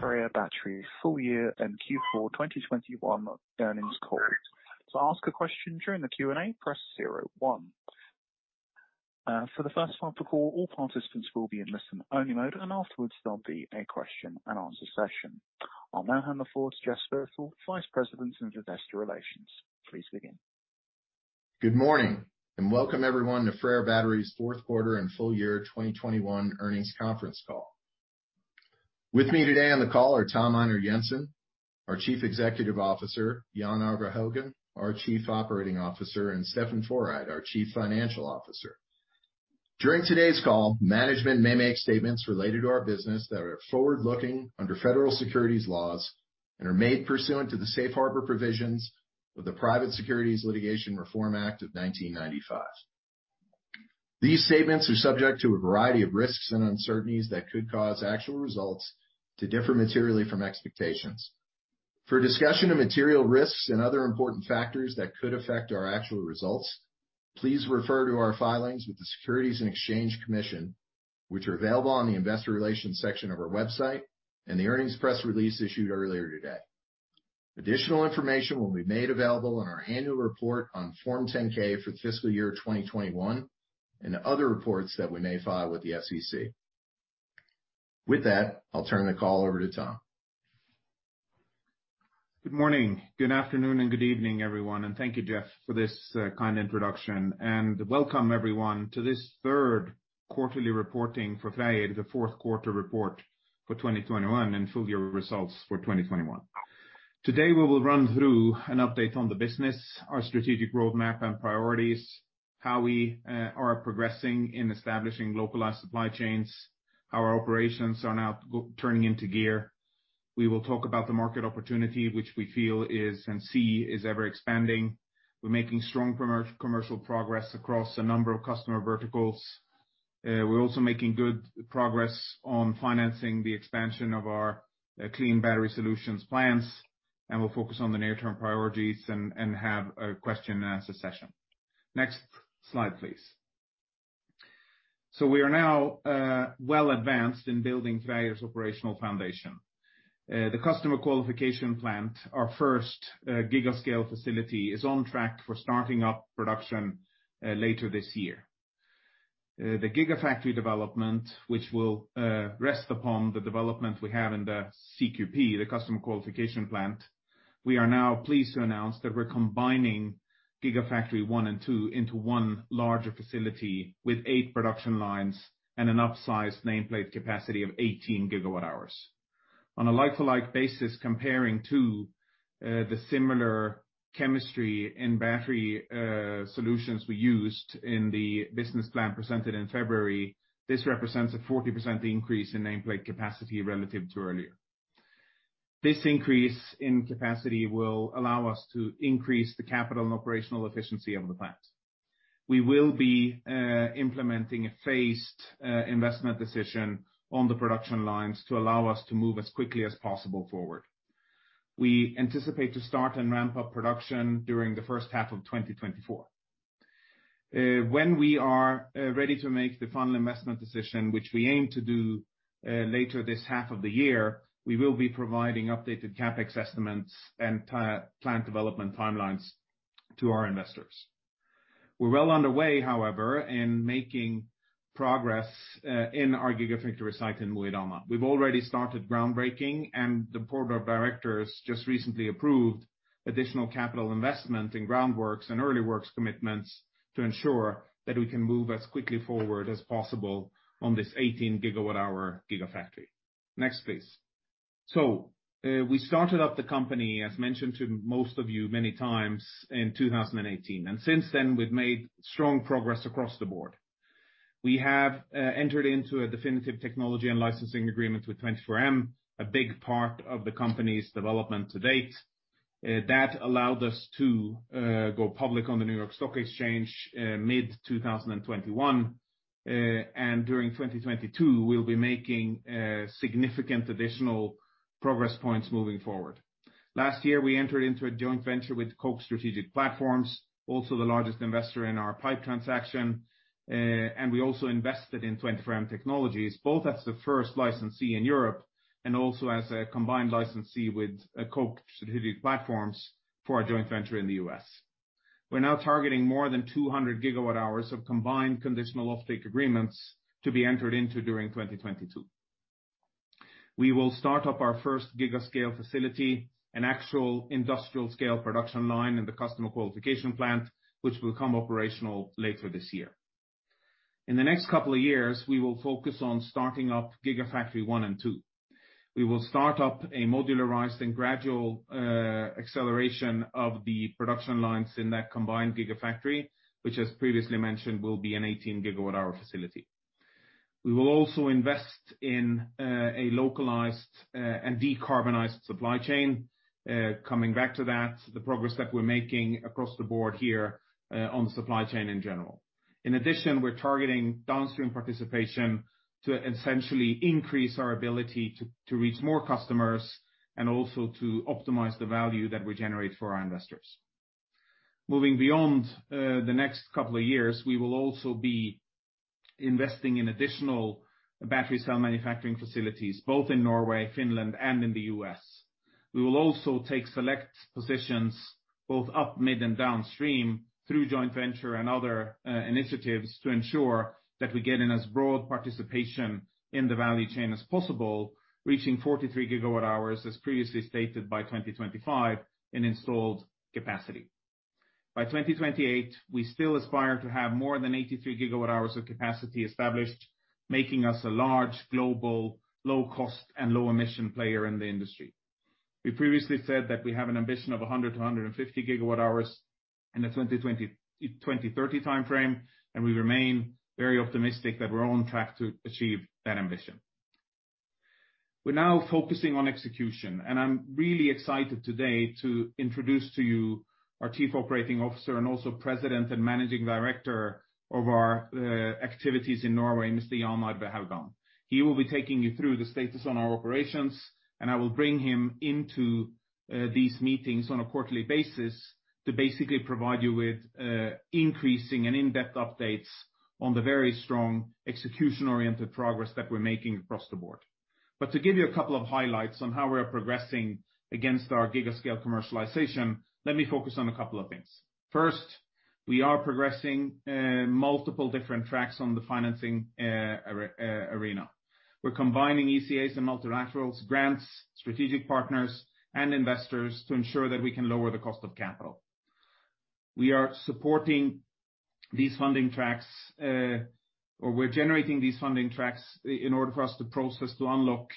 FREYR Battery full year and Q4 2021 earnings call. To ask a question during the Q&A, press zero one. For the first part of the call, all participants will be in listen-only mode. Afterwards, there'll be a question and answer session. I'll now hand the floor to Jeffrey Spittel, Vice President of Investor Relations. Please begin. Good morning, and welcome everyone to FREYR Battery's fourth quarter and full year 2021 earnings conference call. With me today on the call are Tom Einar Jensen, our Chief Executive Officer, Jan Arve Haugan, our Chief Operating Officer, and Steffen Føreid, our Chief Financial Officer. During today's call, management may make statements related to our business that are forward-looking under federal securities laws and are made pursuant to the safe harbor provisions of the Private Securities Litigation Reform Act of 1995. These statements are subject to a variety of risks and uncertainties that could cause actual results to differ materially from expectations. For a discussion of material risks and other important factors that could affect our actual results, please refer to our filings with the Securities and Exchange Commission, which are available on the investor relations section of our website and the earnings press release issued earlier today. Additional information will be made available on our annual report on Form 10-K for the fiscal year 2021 and other reports that we may file with the SEC. With that, I'll turn the call over to Tom. Good morning, good afternoon, and good evening, everyone. Thank you, Jeff, for this kind introduction. Welcome, everyone, to this third quarterly reporting for FREYR, the fourth quarter report for 2021 and full year results for 2021. Today, we will run through an update on the business, our strategic roadmap and priorities, how we are progressing in establishing localized supply chains, how our operations are now turning into gear. We will talk about the market opportunity, which we feel is and see is ever expanding. We're making strong commercial progress across a number of customer verticals. We're also making good progress on financing the expansion of our clean battery solutions plants, and we'll focus on the near-term priorities and have a question and answer session. Next slide, please. We are now well advanced in building FREYR's operational foundation. The customer qualification plant, our first gigascale facility, is on track for starting up production later this year. The gigafactory development, which will rest upon the development we have in the CQP, the customer qualification plant. We are now pleased to announce that we're combining gigafactory one and two into one larger facility with eight production lines and an upsized nameplate capacity of 18 GWh. On a like-for-like basis compared to the similar chemistry and battery solutions we used in the business plan presented in February, this represents a 40% increase in nameplate capacity relative to earlier. This increase in capacity will allow us to increase the capital and operational efficiency of the plant. We will be implementing a phased investment decision on the production lines to allow us to move as quickly as possible forward. We anticipate to start and ramp up production during the first half of 2024. When we are ready to make the final investment decision, which we aim to do later this half of the year, we will be providing updated CapEx estimates and plant development timelines to our investors. We're well underway, however, in making progress in our gigafactory site in Mo i Rana. We've already started groundbreaking, and the board of directors just recently approved additional capital investment in groundworks and early works commitments to ensure that we can move as quickly forward as possible on this 18 GWh gigafactory. Next, please. We started up the company, as mentioned to most of you many times, in 2018. Since then, we've made strong progress across the board. We have entered into a definitive technology and licensing agreement with 24M, a big part of the company's development to date. That allowed us to go public on the New York Stock Exchange, mid-2021. During 2022, we'll be making significant additional progress points moving forward. Last year, we entered into a joint venture with Koch Strategic Platforms, also the largest investor in our PIPE transaction. We also invested in 24M Technologies, both as the first licensee in Europe and also as a combined licensee with Koch Strategic Platforms for our joint venture in the U.S. We're now targeting more than 200 GWh of combined conditional offtake agreements to be entered into during 2022. We will start up our first giga scale facility, an actual industrial scale production line in the Customer Qualification Plant, which will come operational later this year. In the next couple of years, we will focus on starting up gigafactory one and two. We will start up a modularized and gradual acceleration of the production lines in that combined gigafactory, which, as previously mentioned, will be an 18 GWh facility. We will also invest in a localized and decarbonized supply chain. Coming back to that, the progress that we're making across the board here, on supply chain in general. In addition, we're targeting downstream participation to essentially increase our ability to reach more customers and also to optimize the value that we generate for our investors. Moving beyond the next couple of years, we will also be investing in additional battery cell manufacturing facilities, both in Norway, Finland, and in the U.S. We will also take select positions both up, mid, and downstream through joint venture and other initiatives to ensure that we get in as broad participation in the value chain as possible, reaching 43 GWh, as previously stated, by 2025 in installed capacity. By 2028, we still aspire to have more than 83 GWh of capacity established, making us a large global low cost and low emission player in the industry. We previously said that we have an ambition of 100-150 GWh in the 2020-2030 timeframe, and we remain very optimistic that we're on track to achieve that ambition. We're now focusing on execution, and I'm really excited today to introduce to you our Chief Operating Officer and also President and Managing Director of our activities in Norway, Mr. Jan Arve Haugan. He will be taking you through the status on our operations, and I will bring him into these meetings on a quarterly basis to basically provide you with increasing and in-depth updates on the very strong execution-oriented progress that we're making across the board. To give you a couple of highlights on how we are progressing against our giga scale commercialization, let me focus on a couple of things. First, we are progressing multiple different tracks on the financing arena. We're combining ECAs and multilaterals, grants, strategic partners, and investors to ensure that we can lower the cost of capital. We are supporting these funding tracks, or we're generating these funding tracks in order for us to proceed to unlock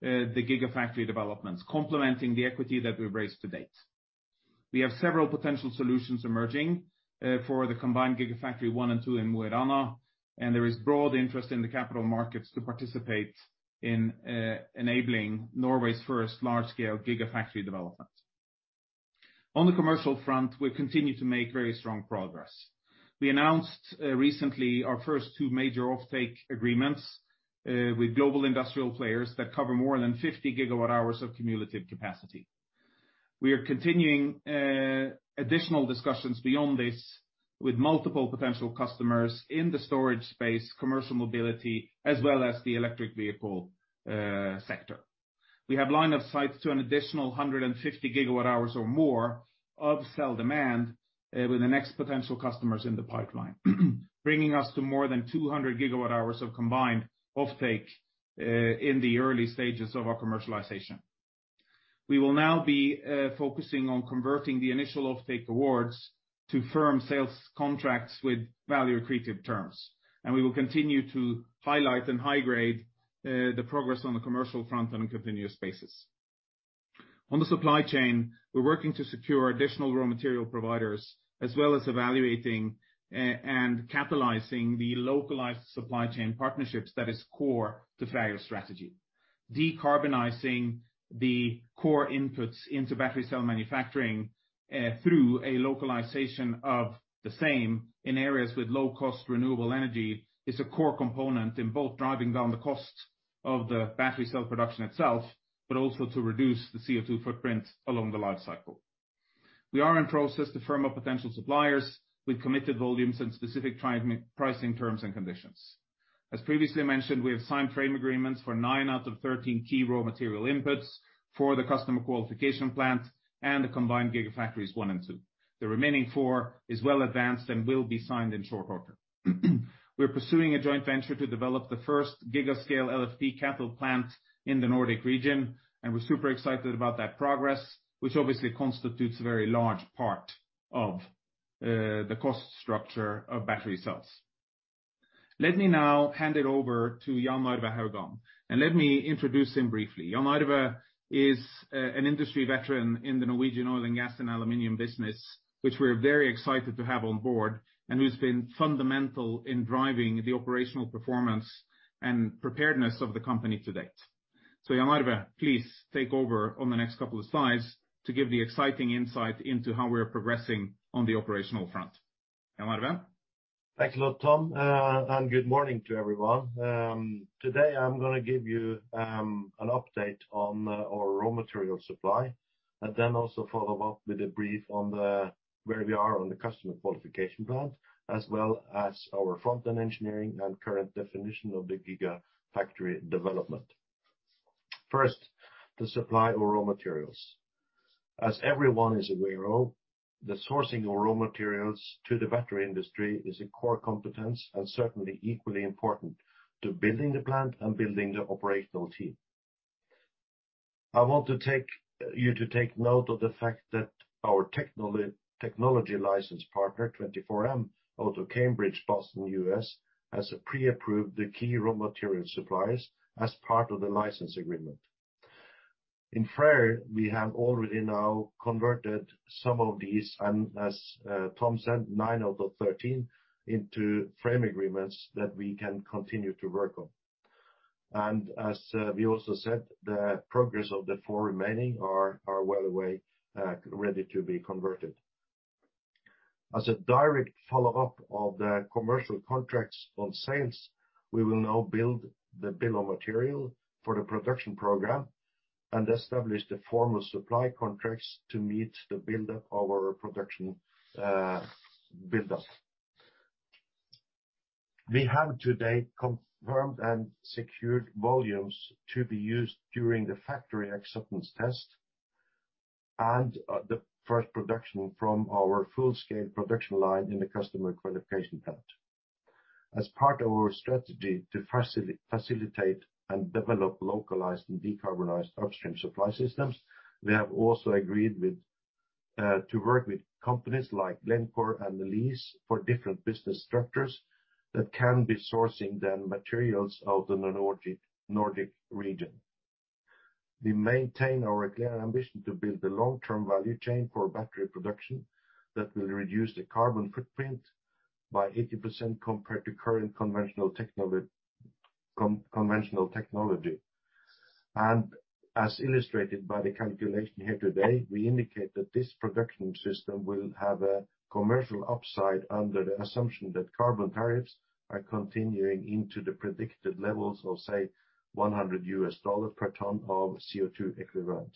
the gigafactory developments, complementing the equity that we've raised to date. We have several potential solutions emerging for the combined gigafactory one and two in Mo i Rana, and there is broad interest in the capital markets to participate in enabling Norway's first large scale gigafactory development. On the commercial front, we've continued to make very strong progress. We announced recently our first two major offtake agreements with global industrial players that cover more than 50 GWh of cumulative capacity. We are continuing additional discussions beyond this with multiple potential customers in the storage space, commercial mobility, as well as the electric vehicle sector. We have line of sight to an additional 150 GWh or more of cell demand with the next potential customers in the pipeline, bringing us to more than 200 GWh of combined offtake in the early stages of our commercialization. We will now be focusing on converting the initial offtake awards to firm sales contracts with value-accretive terms, and we will continue to highlight and high-grade the progress on the commercial front on a continuous basis. On the supply chain, we're working to secure additional raw material providers, as well as evaluating and capitalizing the localized supply chain partnerships that is core to FREYR's strategy. Decarbonizing the core inputs into battery cell manufacturing through a localization of the same in areas with low cost renewable energy is a core component in both driving down the cost of the battery cell production itself, but also to reduce the CO2 footprint along the life cycle. We are in process to firm up potential suppliers with committed volumes and specific tier pricing terms and conditions. As previously mentioned, we have signed framework agreements for nine out of 13 key raw material inputs for the customer qualification plant and the combined gigafactories one and two. The remaining four is well advanced and will be signed in short order. We're pursuing a joint venture to develop the first giga scale LFP cathode plant in the Nordic region, and we're super excited about that progress, which obviously constitutes a very large part of the cost structure of battery cells. Let me now hand it over to Jan Arve Haugan, and let me introduce him briefly. Jan Arve is an industry veteran in the Norwegian oil and gas and aluminum business, which we're very excited to have on board, and who's been fundamental in driving the operational performance and preparedness of the company to date. Jan Arve, please take over on the next couple of slides to give the exciting insight into how we're progressing on the operational front. Jan Arve? Thanks a lot, Tom. Good morning to everyone. Today I'm gonna give you an update on our raw material supply, and then also follow up with a brief on where we are on the customer qualification plan, as well as our front-end engineering and current definition of the gigafactory development. First, the supply of raw materials. As everyone is aware of, the sourcing of raw materials to the battery industry is a core competence and certainly equally important to building the plant and building the operational team. I want you to take note of the fact that our technology license partner, 24M out of Cambridge, Boston, U.S., has pre-approved the key raw material suppliers as part of the license agreement. In FREYR, we have already now converted some of these, and as Tom said, nine out of 13 into framework agreements that we can continue to work on. As we also said, the progress of the four remaining are well underway, ready to be converted. As a direct follow-up of the commercial contracts on sales, we will now build the bill of materials for the production program. Establish the formal supply contracts to meet the buildup of our production. We have today confirmed and secured volumes to be used during the factory acceptance test and the first production from our full-scale production line in the Customer Qualification Plant. As part of our strategy to facilitate and develop localized and decarbonized upstream supply systems, we have also agreed with to work with companies like Glencore and Elkem for different business structures that can be sourcing the materials of the Nordic region. We maintain our clear ambition to build the long-term value chain for battery production that will reduce the carbon footprint by 80% compared to current conventional technology. As illustrated by the calculation here today, we indicate that this production system will have a commercial upside under the assumption that carbon tariffs are continuing into the predicted levels of, say, $100 per ton of CO2 equivalent.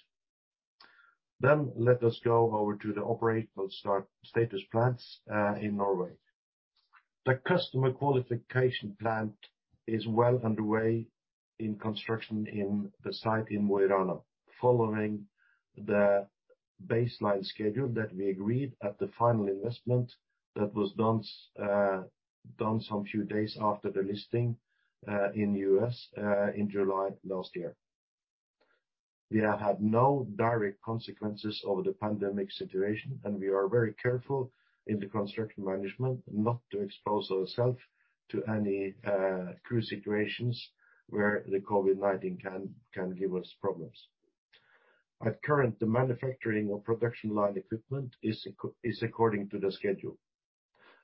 Let us go over to the operational start status plants in Norway. The Customer Qualification Plant is well underway in construction in the site in Mo i Rana, following the baseline schedule that we agreed at the final investment that was done some few days after the listing in the U.S. in July last year. We have had no direct consequences of the pandemic situation, and we are very careful in the construction management not to expose ourselves to any crew situations where the COVID-19 can give us problems. Currently, the manufacturing or production line equipment is according to the schedule.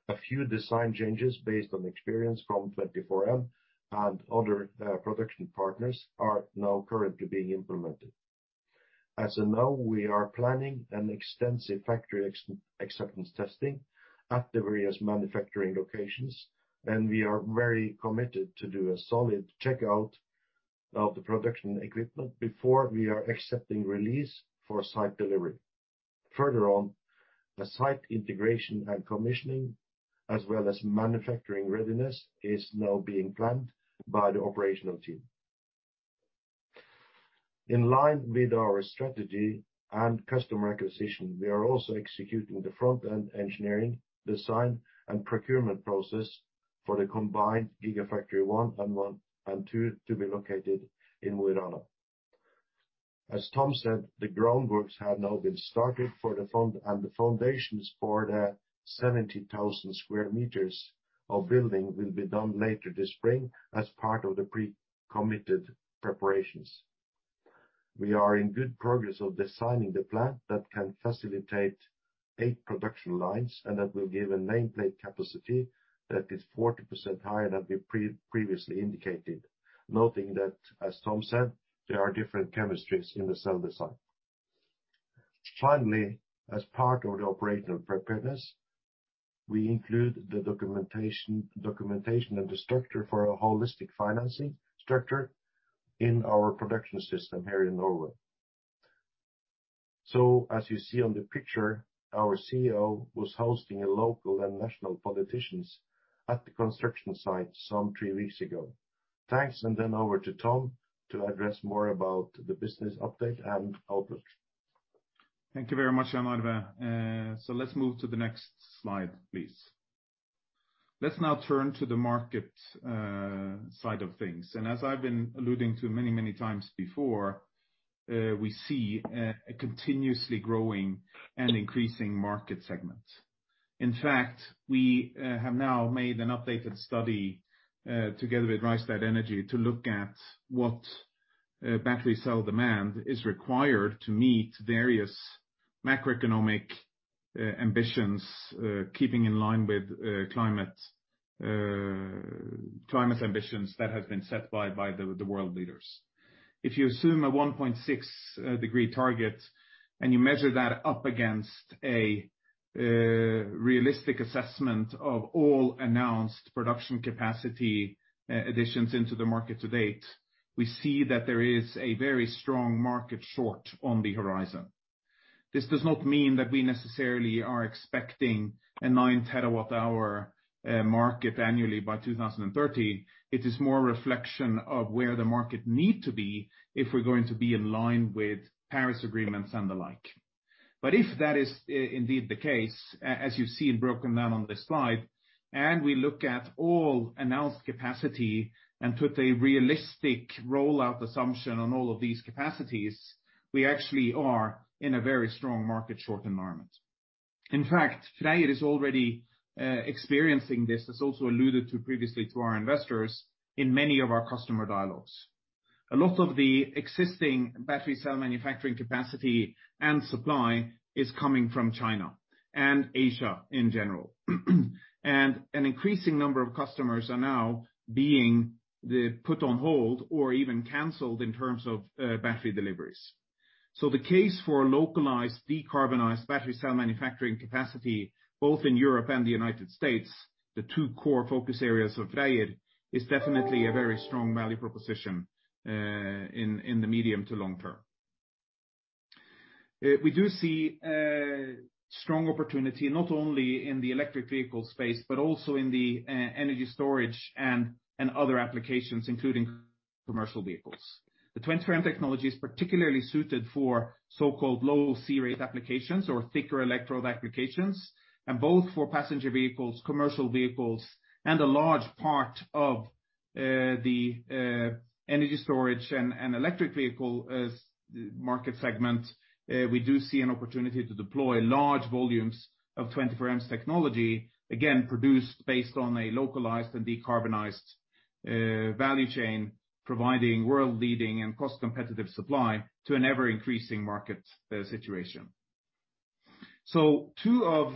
A few design changes based on experience from 24M and other production partners are now currently being implemented. As of now, we are planning an extensive factory acceptance testing at the various manufacturing locations, and we are very committed to do a solid checkout of the production equipment before we are accepting release for site delivery. Further on, the site integration and commissioning, as well as manufacturing readiness, is now being planned by the operational team. In line with our strategy and customer acquisition, we are also executing the front-end engineering, design, and procurement process for the combined gigafactory one and one, and two to be located in Mo i Rana. As Tom said, the groundworks have now been started for the foundations for the 70,000 sq m of building will be done later this spring as part of the pre-committed preparations. We are in good progress of designing the plant that can facilitate eight production lines, and that will give a nameplate capacity that is 40% higher than we previously indicated. Noting that, as Tom said, there are different chemistries in the cell design. Finally, as part of the operational preparedness, we include the documentation and the structure for a holistic financing structure in our production system here in Norway. As you see on the picture, our CEO was hosting local and national politicians at the construction site some three weeks ago. Thanks, and then over to Tom to address more about the business update and outlook. Thank you very much, Jan Arve. Let's move to the next slide, please. Let's now turn to the market side of things. As I've been alluding to many, many times before, we see a continuously growing and increasing market segment. In fact, we have now made an updated study together with Rystad Energy to look at what battery cell demand is required to meet various macroeconomic ambitions keeping in line with climate ambitions that have been set by the world leaders. If you assume a 1.6 degree target, and you measure that up against a realistic assessment of all announced production capacity additions into the market to date, we see that there is a very strong market shortage on the horizon. This does not mean that we necessarily are expecting a 9 TWh market annually by 2030. It is more a reflection of where the market need to be if we're going to be in line with Paris Agreement and the like. If that is indeed the case, as you see broken down on this slide, and we look at all announced capacity and put a realistic rollout assumption on all of these capacities, we actually are in a very strong market shortage environment. In fact, today it is already experiencing this, as also alluded to previously to our investors, in many of our customer dialogues. A lot of the existing battery cell manufacturing capacity and supply is coming from China and Asia in general. An increasing number of customers are now being put on hold or even canceled in terms of battery deliveries. The case for localized decarbonized battery cell manufacturing capacity, both in Europe and the United States, the two core focus areas of FREYR, is definitely a very strong value proposition in the medium to long term. We do see strong opportunity, not only in the electric vehicle space, but also in the energy storage and other applications, including commercial vehicles. The 24M technology is particularly suited for so-called low C-rate applications or thicker electrode applications. Both for passenger vehicles, commercial vehicles, and a large part of the energy storage and electric vehicles market segment, we do see an opportunity to deploy large volumes of 24M's technology, again, produced based on a localized and decarbonized value chain providing world-leading and cost competitive supply to an ever-increasing market situation. Two of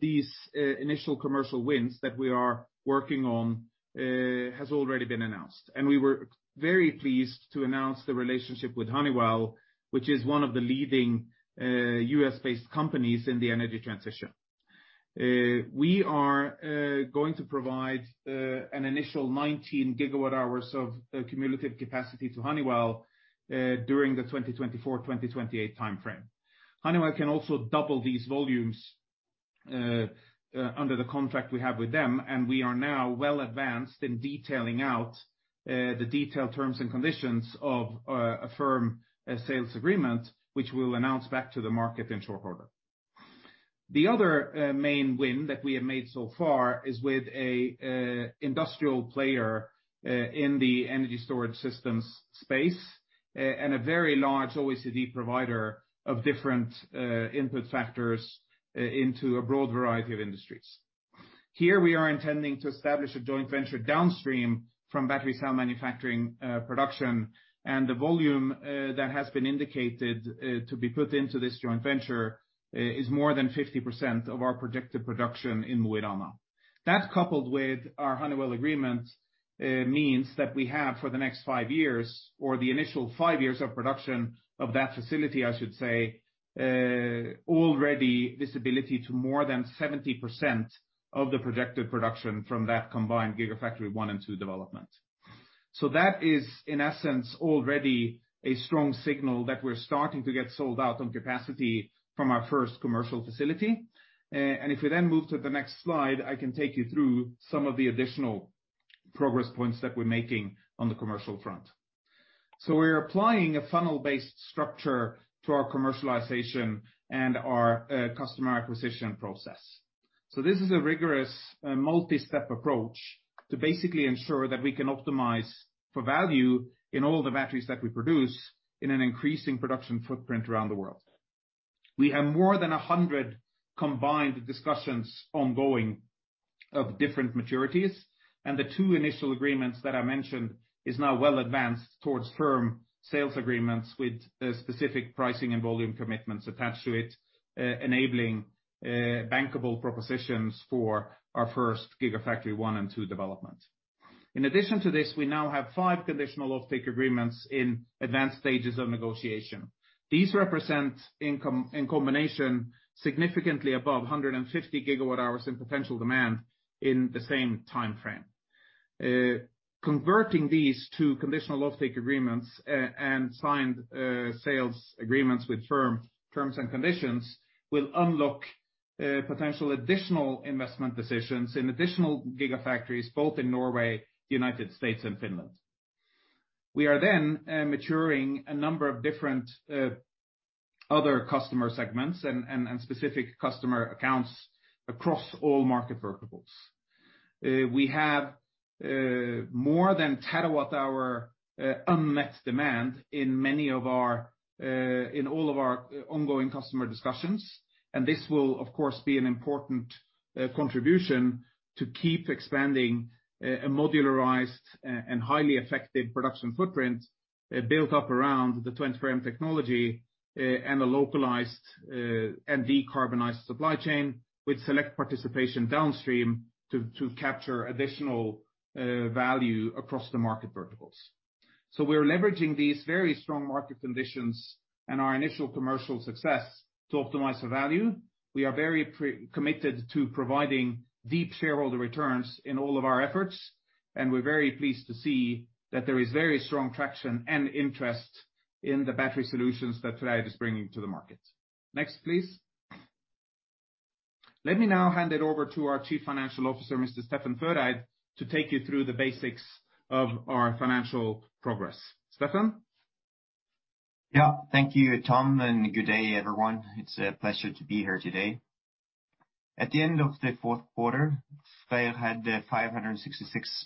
these initial commercial wins that we are working on has already been announced. We were very pleased to announce the relationship with Honeywell, which is one of the leading U.S.-based companies in the energy transition. We are going to provide an initial 19 GWh of cumulative capacity to Honeywell during the 2024/2028 timeframe. Honeywell can also double these volumes under the contract we have with them, and we are now well advanced in detailing out the detailed terms and conditions of a firm sales agreement, which we'll announce back to the market in short order. The other main win that we have made so far is with a industrial player in the energy storage systems space and a very large OEM provider of different input factors into a broad variety of industries. Here we are intending to establish a joint venture downstream from battery cell manufacturing production, and the volume that has been indicated to be put into this joint venture is more than 50% of our projected production in Mo i Rana. That, coupled with our Honeywell agreement, means that we have for the next five years or the initial five years of production of that facility, I should say, already this ability to more than 70% of the projected production from that combined gigafactory one and two development. That is, in essence, already a strong signal that we're starting to get sold out on capacity from our first commercial facility. If we then move to the next slide, I can take you through some of the additional progress points that we're making on the commercial front. We're applying a funnel-based structure to our commercialization and our customer acquisition process. This is a rigorous multi-step approach to basically ensure that we can optimize for value in all the batteries that we produce in an increasing production footprint around the world. We have more than 100 combined discussions ongoing of different maturities, and the two initial agreements that I mentioned is now well advanced towards firm sales agreements with specific pricing and volume commitments attached to it, enabling bankable propositions for our first gigafactory one and two development. In addition to this, we now have five conditional offtake agreements in advanced stages of negotiation. These represent income in combination significantly above 150 GWh in potential demand in the same timeframe. Converting these to conditional offtake agreements and signed sales agreements with terms and conditions will unlock potential additional investment decisions in additional gigafactories, both in Norway, the United States, and Finland. We are then maturing a number of different other customer segments and specific customer accounts across all market verticals. We have more than terawatt hour unmet demand in all of our ongoing customer discussions, and this will, of course, be an important contribution to keep expanding a modularized and highly effective production footprint built up around the 24M technology and a localized and decarbonized supply chain with select participation downstream to capture additional value across the market verticals. We're leveraging these very strong market conditions and our initial commercial success to optimize the value. We are very committed to providing deep shareholder returns in all of our efforts, and we're very pleased to see that there is very strong traction and interest in the battery solutions that FREYR is bringing to the market. Next, please. Let me now hand it over to our Chief Financial Officer, Mr. Steffen Føreid, to take you through the basics of our financial progress. Steffen? Yeah. Thank you, Tom, and good day, everyone. It's a pleasure to be here today. At the end of the fourth quarter, FREYR had $566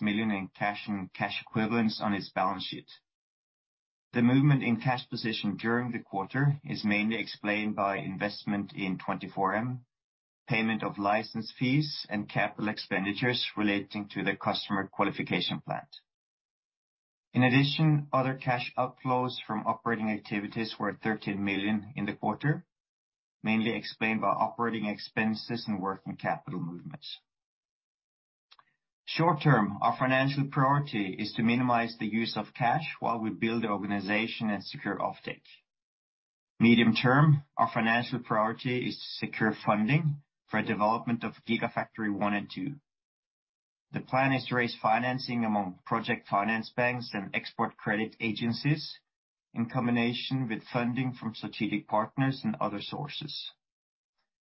million in cash and cash equivalents on its balance sheet. The movement in cash position during the quarter is mainly explained by investment in 24M, payment of license fees and capital expenditures relating to the customer qualification plant. In addition, other cash outflows from operating activities were $13 million in the quarter, mainly explained by operating expenses and working capital movements. Short term, our financial priority is to minimize the use of cash while we build the organization and secure offtake. Medium term, our financial priority is to secure funding for development of gigafactory one and two. The plan is to raise financing among project finance banks and export credit agencies, in combination with funding from strategic partners and other sources.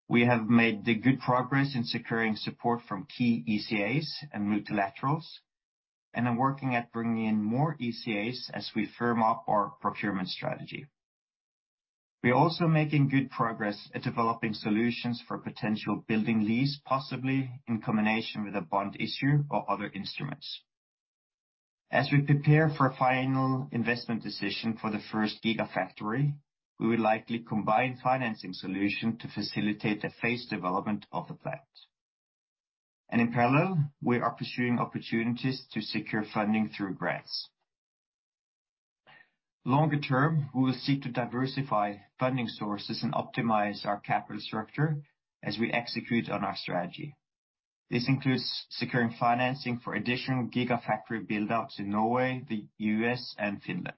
We have made good progress in securing support from key ECAs and multilaterals, and are working at bringing in more ECAs as we firm up our procurement strategy. We're also making good progress at developing solutions for potential building lease, possibly in combination with a bond issue or other instruments. As we prepare for a final investment decision for the first gigafactory, we will likely combine financing solution to facilitate a phased development of the plant. In parallel, we are pursuing opportunities to secure funding through grants. Longer term, we will seek to diversify funding sources and optimize our capital structure as we execute on our strategy. This includes securing financing for additional gigafactory build-outs in Norway, the U.S., and Finland.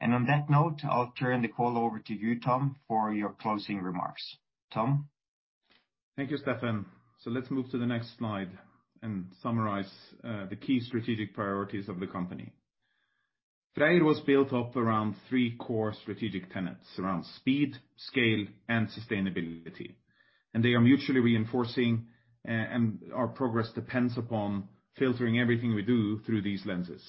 On that note, I'll turn the call over to you, Tom, for your closing remarks. Tom? Thank you, Steffen. Let's move to the next slide and summarize the key strategic priorities of the company. FREYR was built up around three core strategic tenets around speed, scale, and sustainability. They are mutually reinforcing, and our progress depends upon filtering everything we do through these lenses.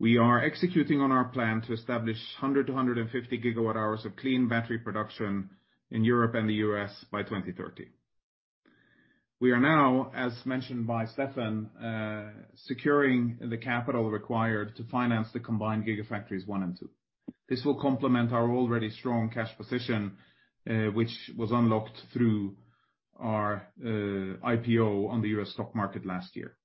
We are executing on our plan to establish 100-150 GWh of clean battery production in Europe and the U.S. by 2030. We are now, as mentioned by Steffen, securing the capital required to finance the combined gigafactories one and two. This will complement our already strong cash position, which was unlocked through our IPO on the U.S. stock market last year.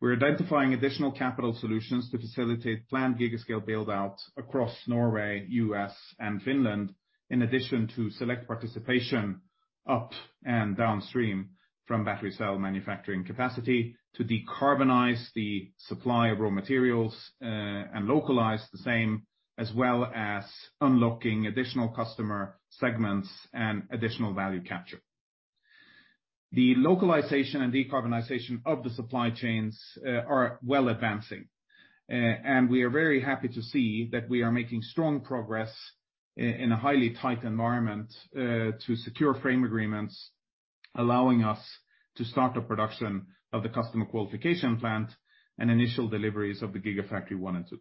We're identifying additional capital solutions to facilitate planned gigascale build-out across Norway, U.S., and Finland, in addition to select participation up and downstream from battery cell manufacturing capacity to decarbonize the supply of raw materials, and localize the same, as well as unlocking additional customer segments and additional value capture. The localization and decarbonization of the supply chains are well advancing. We are very happy to see that we are making strong progress in a highly tight environment to secure frame agreements, allowing us to start the production of the customer qualification plant and initial deliveries of the gigafactory one and two.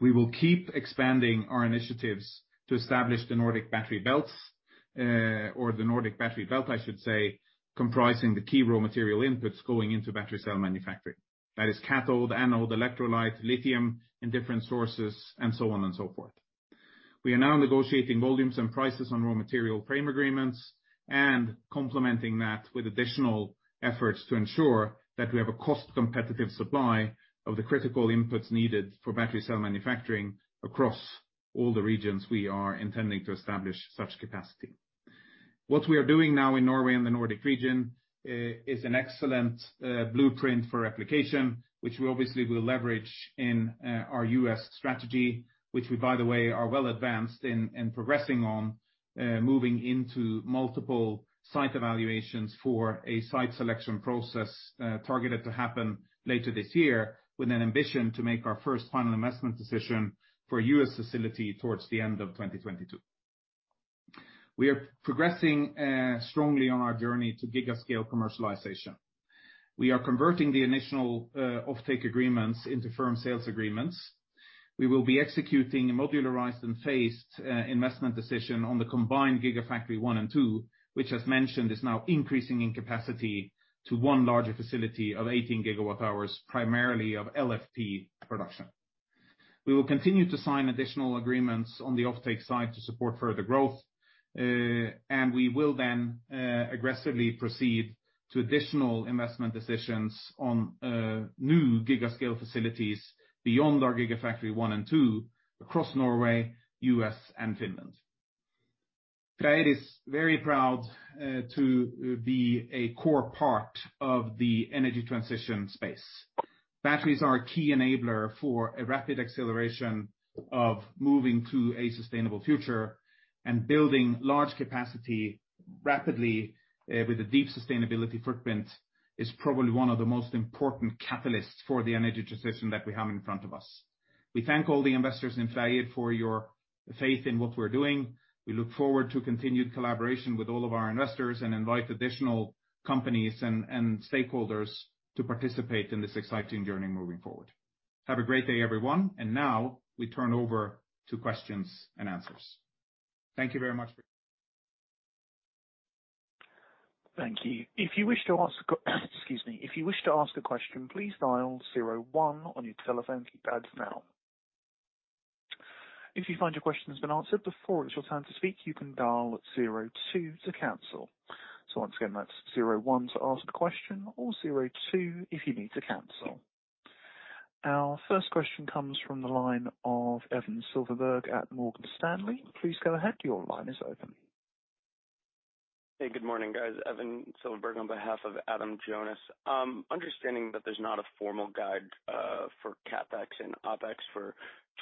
We will keep expanding our initiatives to establish the Nordic Battery Belts, or the Nordic Battery Belt, I should say, comprising the key raw material inputs going into battery cell manufacturing. That is cathode, anode, electrolyte, lithium in different sources, and so on and so forth. We are now negotiating volumes and prices on raw material frame agreements and complementing that with additional efforts to ensure that we have a cost-competitive supply of the critical inputs needed for battery cell manufacturing across all the regions we are intending to establish such capacity. What we are doing now in Norway and the Nordic region is an excellent blueprint for replication, which we obviously will leverage in our U.S. strategy, which we, by the way, are well advanced in progressing on moving into multiple site evaluations for a site selection process targeted to happen later this year with an ambition to make our first final investment decision for U.S. facility towards the end of 2022. We are progressing strongly on our journey to gigascale commercialization. We are converting the initial, offtake agreements into firm sales agreements. We will be executing a modularized and phased, investment decision on the combined gigafactory one and two, which as mentioned, is now increasing in capacity to one larger facility of 18 GWh, primarily of LFP production. We will continue to sign additional agreements on the offtake side to support further growth, and we will then, aggressively proceed to additional investment decisions on, new gigascale facilities beyond our gigafactory one and two across Norway, U.S., and Finland. FREYR is very proud to be a core part of the energy transition space. Batteries are a key enabler for a rapid acceleration of moving to a sustainable future and building large capacity rapidly with a deep sustainability footprint is probably one of the most important catalysts for the energy transition that we have in front of us. We thank all the investors in FREYR for your faith in what we're doing. We look forward to continued collaboration with all of our investors and invite additional companies and stakeholders to participate in this exciting journey moving forward. Have a great day, everyone. Now we turn over to questions and answers. Thank you very much. Thank you. If you wish to ask a question, please dial zero one on your telephone keypads now. If you find your question has been answered before it's your turn to speak, you can dial zero two to cancel. So once again, that's zero one to ask the question or zero two if you need to cancel. Our first question comes from the line of Evan Silverberg at Morgan Stanley. Please go ahead. Your line is open. Hey, good morning, guys. Evan Silverberg, on behalf of Adam Jonas. Understanding that there's not a formal guide for CapEx and OpEx for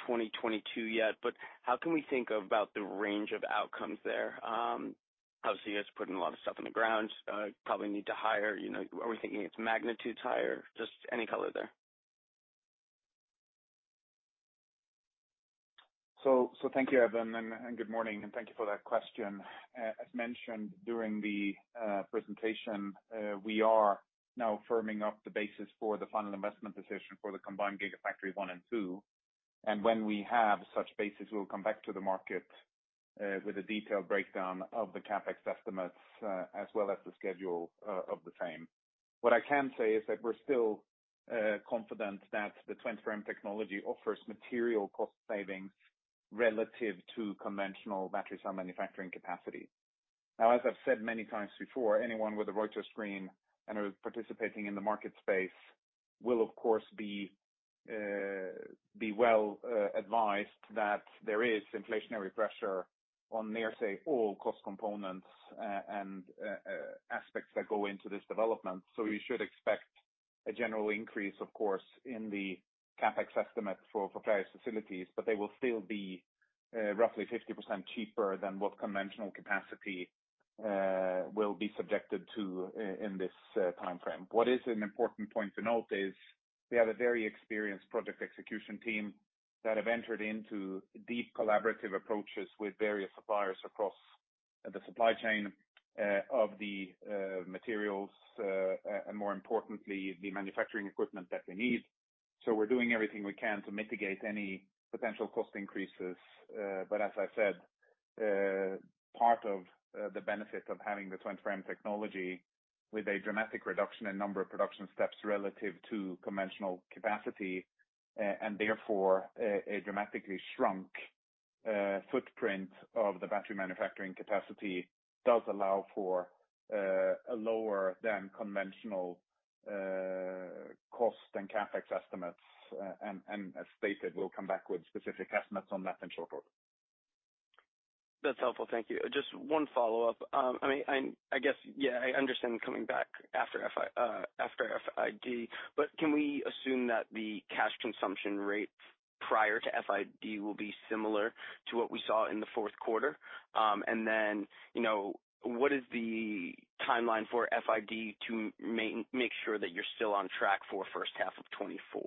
2022 yet, but how can we think about the range of outcomes there? Obviously, it's putting a lot of stuff in the ground. Probably need to hire, you know. Are we thinking it's magnitudes higher? Just any color there. Thank you, Evan, and good morning, and thank you for that question. As mentioned during the presentation, we are now firming up the basis for the final investment decision for the combined gigafactory one and two. When we have such basis, we'll come back to the market with a detailed breakdown of the CapEx estimates, as well as the schedule of the same. What I can say is that we're still confident that the TwinFab technology offers material cost savings relative to conventional battery cell manufacturing capacity. As I've said many times before, anyone with a Reuters screen and are participating in the market space will, of course, be well advised that there is inflationary pressure on nearly all cost components and aspects that go into this development. You should expect a general increase, of course, in the CapEx estimate for various facilities. They will still be roughly 50% cheaper than what conventional capacity will be subjected to in this timeframe. What is an important point to note is we have a very experienced project execution team that have entered into deep collaborative approaches with various suppliers across the supply chain of the materials and more importantly, the manufacturing equipment that we need. We're doing everything we can to mitigate any potential cost increases. As I said, part of the benefit of having the twin frame technology with a dramatic reduction in number of production steps relative to conventional capacity, and therefore a dramatically shrunk footprint of the battery manufacturing capacity does allow for a lower than conventional cost and CapEx estimates. As stated, we'll come back with specific estimates on that in short order. That's helpful. Thank you. Just one follow-up. I mean, I guess, yeah, I understand coming back after FID. Can we assume that the cash consumption rate prior to FID will be similar to what we saw in the fourth quarter? You know, what is the timeline for FID to make sure that you're still on track for first half of 2024?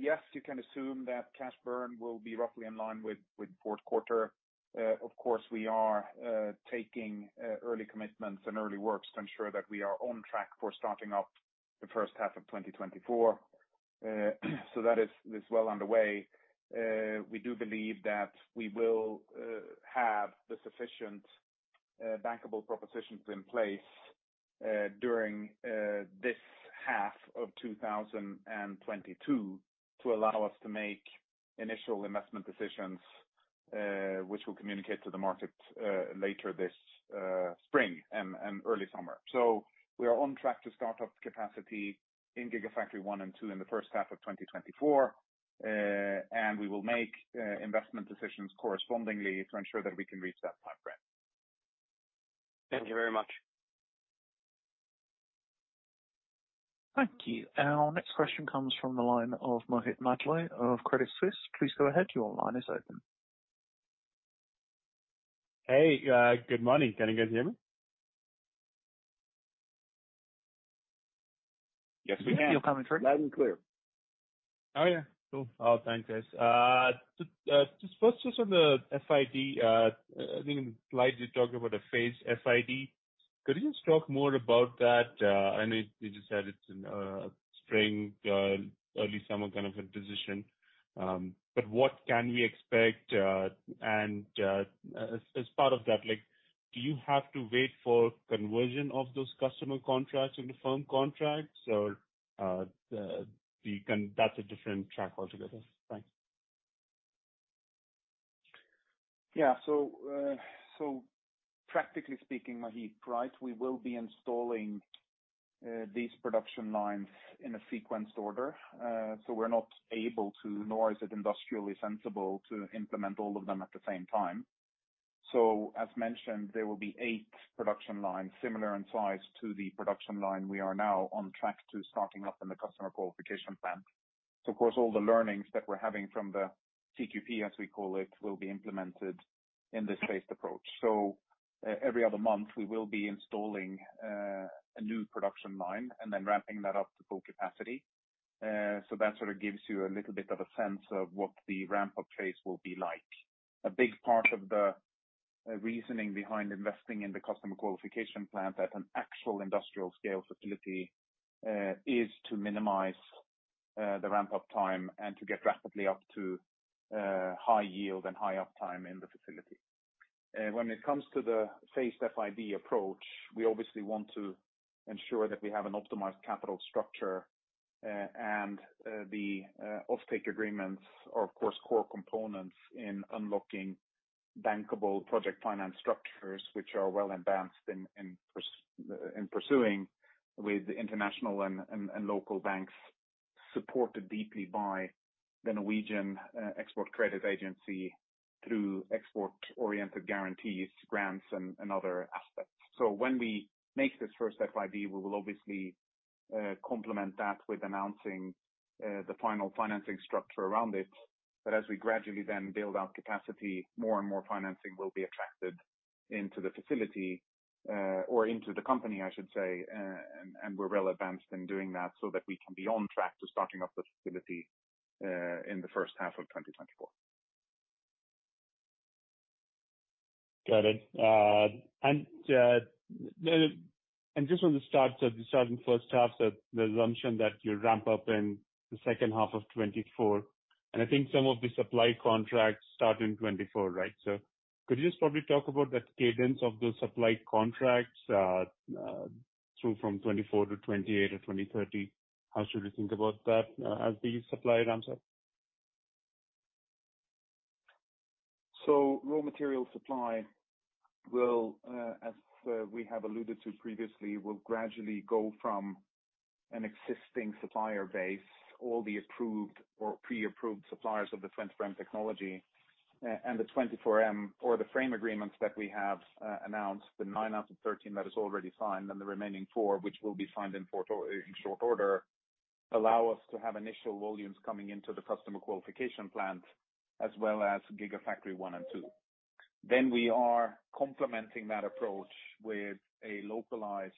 Yes, you can assume that cash burn will be roughly in line with fourth quarter. Of course, we are taking early commitments and early works to ensure that we are on track for starting up the first half of 2024. That is well underway. We do believe that we will have the sufficient bankable propositions in place during this half of 2022 to allow us to make initial investment decisions, which we'll communicate to the market later this spring and early summer. We are on track to start up capacity in gigafactory one and two in the first half of 2024. We will make investment decisions correspondingly to ensure that we can reach that timeframe. Thank you very much. Thank you. Our next question comes from the line of Maheep Mandloi of Credit Suisse. Please go ahead. Your line is open. Hey. Good morning. Can you guys hear me? Yes, we can. You're coming through loud and clear. Oh, yeah. Cool. Oh, thanks, guys. To just first just on the FID, I think in the slides you talked about a phase FID. Could you just talk more about that? I know you just said it's in spring, early summer kind of a position. What can we expect, and as part of that, like, do you have to wait for conversion of those customer contracts into firm contracts or that's a different track altogether? Thanks. Practically speaking, Maheep, right, we will be installing these production lines in a sequenced order. We're not able to, nor is it industrially sensible, to implement all of them at the same time. As mentioned, there will be eight production lines similar in size to the production line we are now on track to starting up in the Customer Qualification Plant. Of course, all the learnings that we're having from the CQP, as we call it, will be implemented in this phased approach. Every other month we will be installing a new production line and then ramping that up to full capacity. That sort of gives you a little bit of a sense of what the ramp-up phase will be like. A big part of the reasoning behind investing in the customer qualification plant at an actual industrial scale facility is to minimize the ramp-up time and to get rapidly up to high yield and high uptime in the facility. When it comes to the phased FID approach, we obviously want to ensure that we have an optimized capital structure, and the offtake agreements are, of course, core components in unlocking bankable project finance structures which are well advanced in pursuing with international and local banks, supported deeply by the Norwegian export credit agency through export-oriented guarantees, grants and other aspects. When we make this first FID, we will obviously complement that with announcing the final financing structure around it. As we gradually then build out capacity, more and more financing will be attracted into the facility, or into the company, I should say. We're well advanced in doing that so that we can be on track to starting up the facility, in the first half of 2024. Got it. Just on the start, the assumption that you'll ramp up in the second half of 2024, and I think some of the supply contracts start in 2024, right? Could you just probably talk about that cadence of those supply contracts through from 2024 to 2028 or 2030? How should we think about that, as the supply ramps up? Raw material supply will, as we have alluded to previously, gradually go from an existing supplier base, all the approved or pre-approved suppliers of the SemiSolid technology, and the 24M framework agreements that we have announced, the nine out of 13 that is already signed, and the remaining four, which will be signed in Q4 or in short order, allow us to have initial volumes coming into the customer qualification plant as well as gigafactory one and two. We are complementing that approach with a localized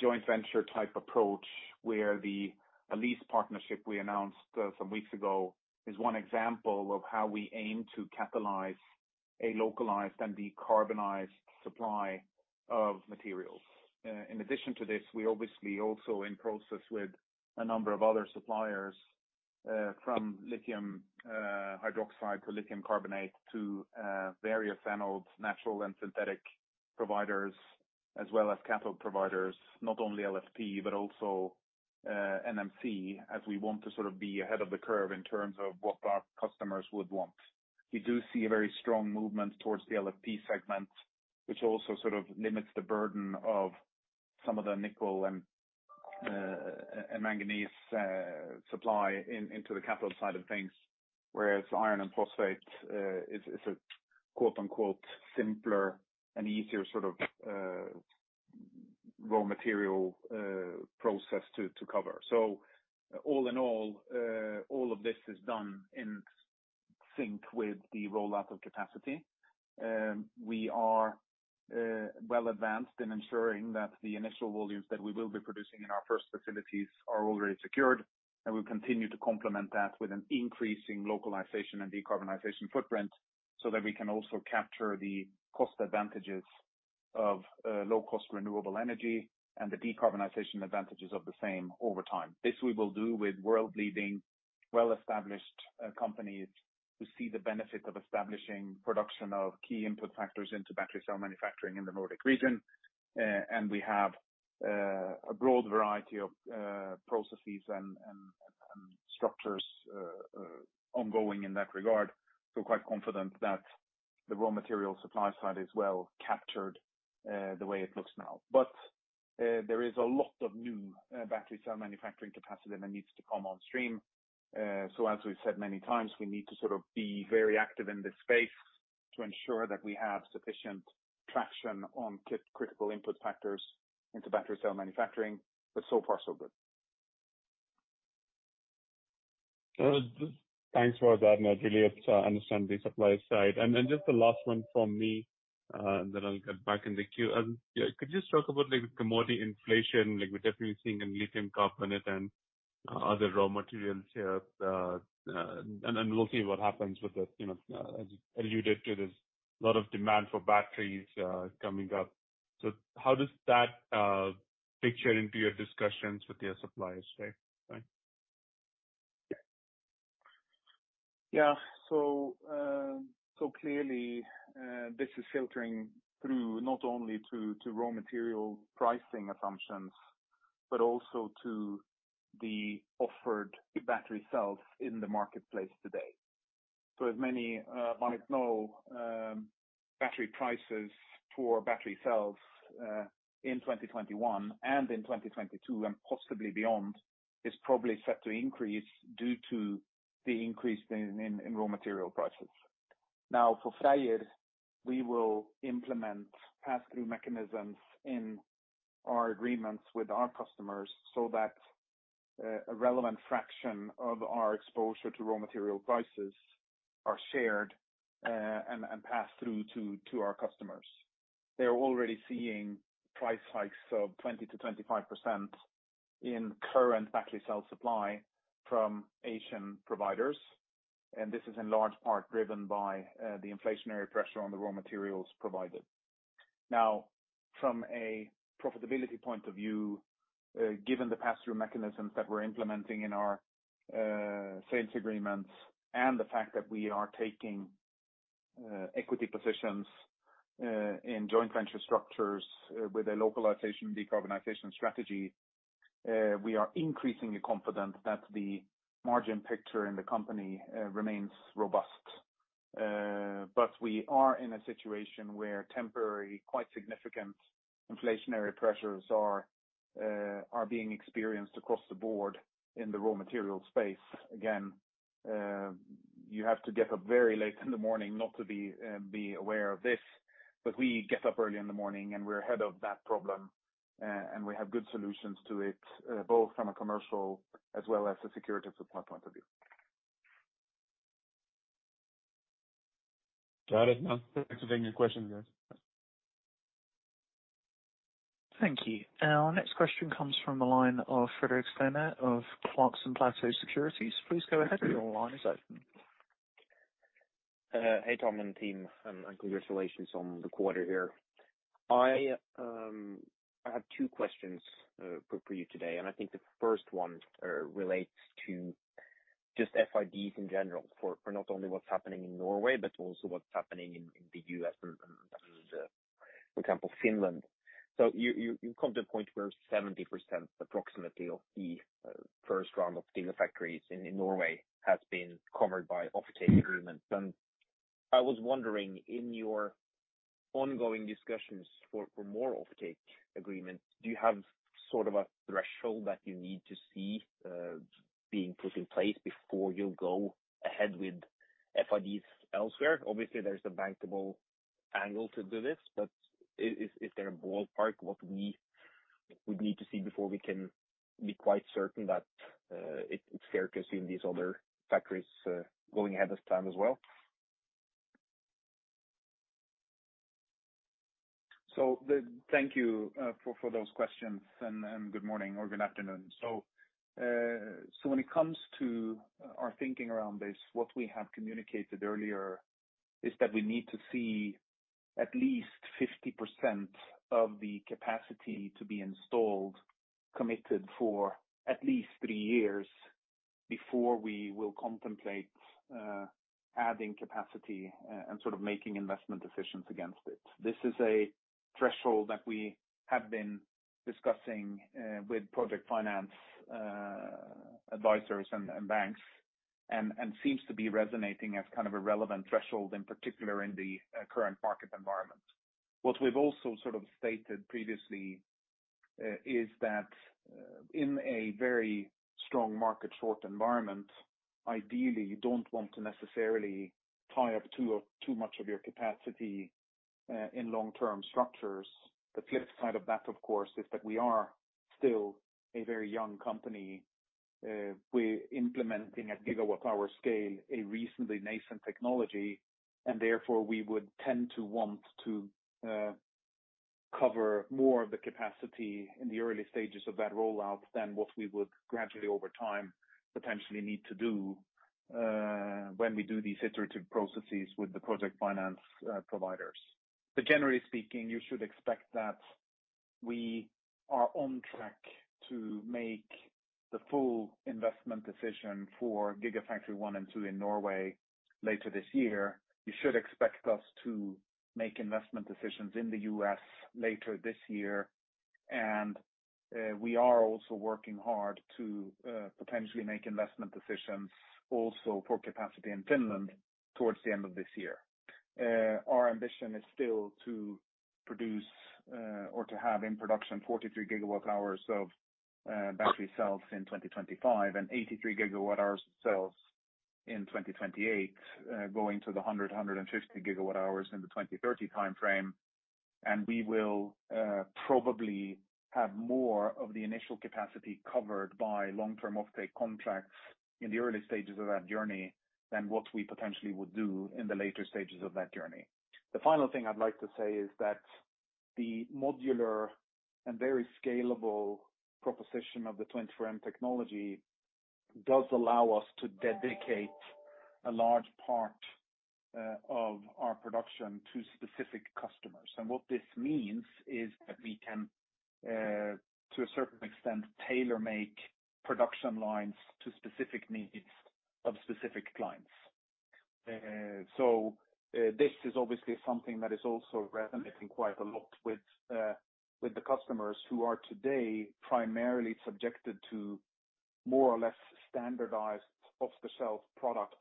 joint venture type approach, where the Elkem partnership we announced some weeks ago is one example of how we aim to capitalize on a localized and decarbonized supply of materials. In addition to this, we obviously also in process with a number of other suppliers, from lithium hydroxide to lithium carbonate to various phenols, natural and synthetic providers, as well as cathode providers. Not only LFP, but also NMC, as we want to sort of be ahead of the curve in terms of what our customers would want. We do see a very strong movement towards the LFP segment, which also sort of limits the burden of some of the nickel and manganese supply into the capital side of things, whereas iron and phosphate is a quote-unquote simpler and easier sort of raw material process to cover. All in all of this is done in sync with the rollout of capacity. We are well advanced in ensuring that the initial volumes that we will be producing in our first facilities are already secured, and we continue to complement that with an increasing localization and decarbonization footprint, so that we can also capture the cost advantages of low-cost renewable energy and the decarbonization advantages of the same over time. This we will do with world-leading, well-established companies who see the benefit of establishing production of key input factors into battery cell manufacturing in the Nordic region. We have a broad variety of processes and structures ongoing in that regard. Quite confident that the raw material supply side is well captured the way it looks now. There is a lot of new battery cell manufacturing capacity that needs to come on stream. As we've said many times, we need to sort of be very active in this space to ensure that we have sufficient traction on critical input factors into battery cell manufacturing. So far so good. Just thanks for that, and I really have to understand the supply side. Then just the last one from me, and then I'll get back in the queue. Yeah, could you just talk about like the commodity inflation, like we're definitely seeing in lithium carbonate and other raw materials here. And we'll see what happens with the, you know, as you alluded to, there's a lot of demand for batteries coming up. How does that picture into your discussions with your suppliers today? Right. Yeah. Clearly, this is filtering through not only to raw material pricing assumptions, but also to the offered battery cells in the marketplace today. As many might know, battery prices for battery cells in 2021 and in 2022 and possibly beyond is probably set to increase due to the increase in raw material prices. Now, for FREYR, we will implement pass-through mechanisms in our agreements with our customers so that a relevant fraction of our exposure to raw material prices are shared and passed through to our customers. They're already seeing price hikes of 20%-25% in current battery cell supply from Asian providers, and this is in large part driven by the inflationary pressure on the raw materials provided. From a profitability point of view, given the pass-through mechanisms that we're implementing in our sales agreements and the fact that we are taking equity positions in joint venture structures with a localization decarbonization strategy. We are increasingly confident that the margin picture in the company remains robust. We are in a situation where temporary, quite significant inflationary pressures are being experienced across the board in the raw material space. Again, you have to get up very late in the morning not to be aware of this, but we get up early in the morning and we're ahead of that problem, and we have good solutions to it, both from a commercial as well as a supply security point of view. Got it. Now back to taking your questions, guys. Thank you. Our next question comes from the line of Fredrik Stene of Clarksons Platou Securities. Please go ahead, your line is open. Hey, Tom and team, and congratulations on the quarter here. I have two questions for you today. I think the first one relates to just FIDs in general for not only what's happening in Norway, but also what's happening in the U.S. and, for example, Finland. You've come to a point where approximately 70% of the first round of gigafactories in Norway has been covered by offtake agreements. I was wondering, in your ongoing discussions for more offtake agreements, do you have sort of a threshold that you need to see being put in place before you go ahead with FIDs elsewhere? Obviously, there's a bankable angle to this, but is there a ballpark what we would need to see before we can be quite certain that it's fair to assume these other factories going ahead this time as well? Thank you for those questions and good morning or good afternoon. When it comes to our thinking around this, what we have communicated earlier is that we need to see at least 50% of the capacity to be installed, committed for at least three years before we will contemplate adding capacity and sort of making investment decisions against it. This is a threshold that we have been discussing with project finance advisors and banks and seems to be resonating as kind of a relevant threshold in particular in the current market environment. What we've also sort of stated previously is that in a very strong market short environment, ideally, you don't want to necessarily tie up too much of your capacity in long-term structures. The flip side of that, of course, is that we are still a very young company. We're implementing a gigawatt power scale, a recently nascent technology, and therefore we would tend to want to cover more of the capacity in the early stages of that rollout than what we would gradually over time, potentially need to do when we do these iterative processes with the project finance providers. Generally speaking, you should expect that we are on track to make the full investment decision for gigafactory one and two in Norway later this year. You should expect us to make investment decisions in the U.S. later this year. We are also working hard to potentially make investment decisions also for capacity in Finland towards the end of this year. Our ambition is still to produce or to have in production 43 GWh of battery cells in 2025 and 83 GWh cells in 2028, going to the 150 GWh in the 2030 timeframe. We will probably have more of the initial capacity covered by long-term offtake contracts in the early stages of that journey than what we potentially would do in the later stages of that journey. The final thing I'd like to say is that the modular and very scalable proposition of the 24M technology does allow us to dedicate a large part of our production to specific customers. What this means is that we can, to a certain extent, tailor make production lines to specific needs of specific clients. This is obviously something that is also resonating quite a lot with the customers who are today primarily subjected to more or less standardized off-the-shelf products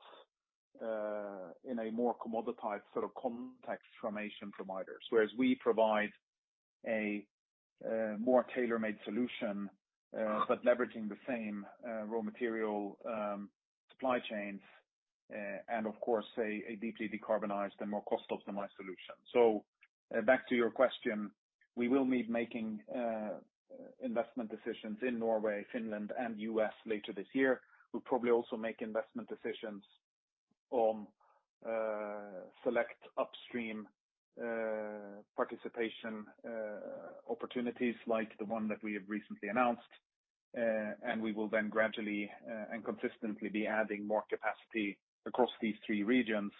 in a more commoditized sort of context from Asian providers, whereas we provide a more tailor-made solution but leveraging the same raw material supply chains, and of course, a deeply decarbonized and more cost-optimized solution. Back to your question, we will be making investment decisions in Norway, Finland, and U.S. later this year. We'll probably also make investment decisions on select upstream participation opportunities like the one that we have recently announced. We will then gradually and consistently be adding more capacity across these three regions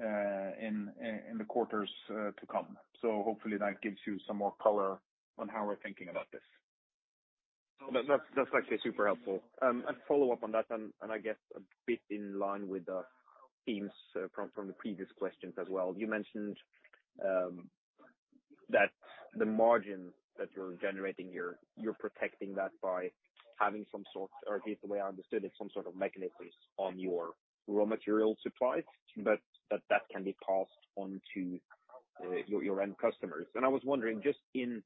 in the quarters to come. Hopefully that gives you some more color on how we're thinking about this. No, that's actually super helpful. A follow-up on that and I guess a bit in line with the themes from the previous questions as well. You mentioned that the margin that you're generating, you're protecting that by having some sort of mechanism on your raw material supplies, but that can be passed on to your end customers. I was wondering just in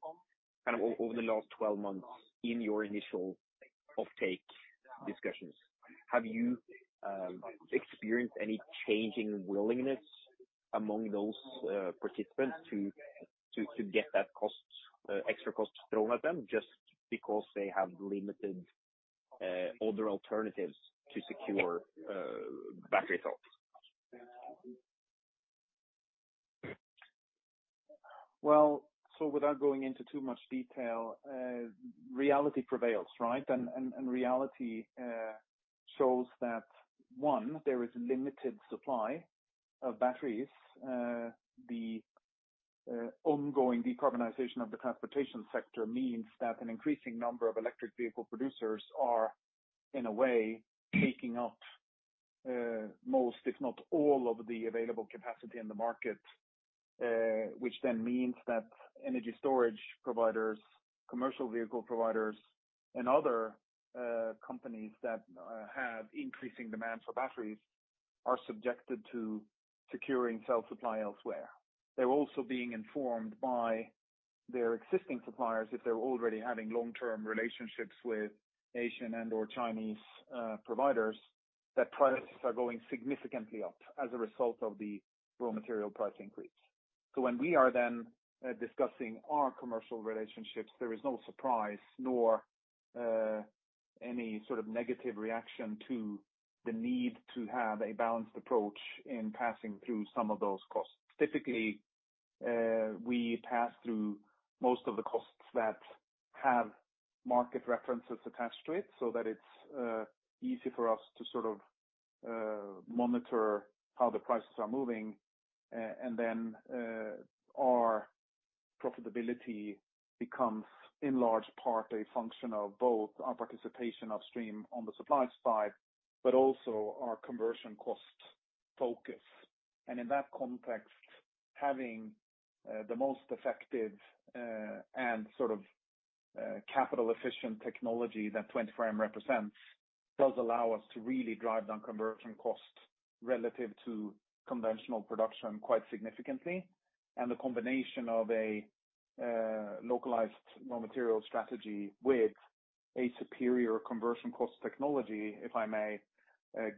kind of over the last 12 months in your initial offtake discussions, have you experienced any change in willingness among those participants to get that extra cost thrown at them just because they have limited other alternatives to secure battery cells? Well, without going into too much detail, reality prevails, right? Reality shows that, one, there is limited supply of batteries. The ongoing decarbonization of the transportation sector means that an increasing number of electric vehicle producers are, in a way, taking up most, if not all, of the available capacity in the market. Which then means that energy storage providers, commercial vehicle providers, and other companies that have increasing demand for batteries are subjected to securing cell supply elsewhere. They're also being informed by their existing suppliers, if they're already having long-term relationships with Asian and/or Chinese providers, that prices are going significantly up as a result of the raw material price increase. When we are then discussing our commercial relationships, there is no surprise nor any sort of negative reaction to the need to have a balanced approach in passing through some of those costs. Typically, we pass through most of the costs that have market references attached to it so that it's easy for us to sort of monitor how the prices are moving. And then, our profitability becomes, in large part, a function of both our participation upstream on the supply side, but also our conversion cost focus. In that context, having the most effective and sort of capital-efficient technology that 24M represents does allow us to really drive down conversion costs relative to conventional production quite significantly. The combination of a localized raw material strategy with a superior conversion cost technology, if I may,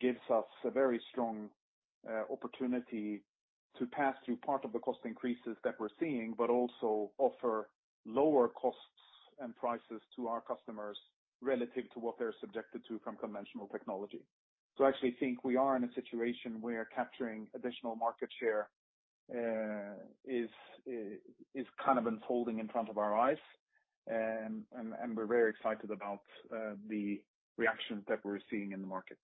gives us a very strong opportunity to pass through part of the cost increases that we're seeing, but also offer lower costs and prices to our customers relative to what they're subjected to from conventional technology. I actually think we are in a situation where capturing additional market share is kind of unfolding in front of our eyes. We're very excited about the reaction that we're seeing in the market.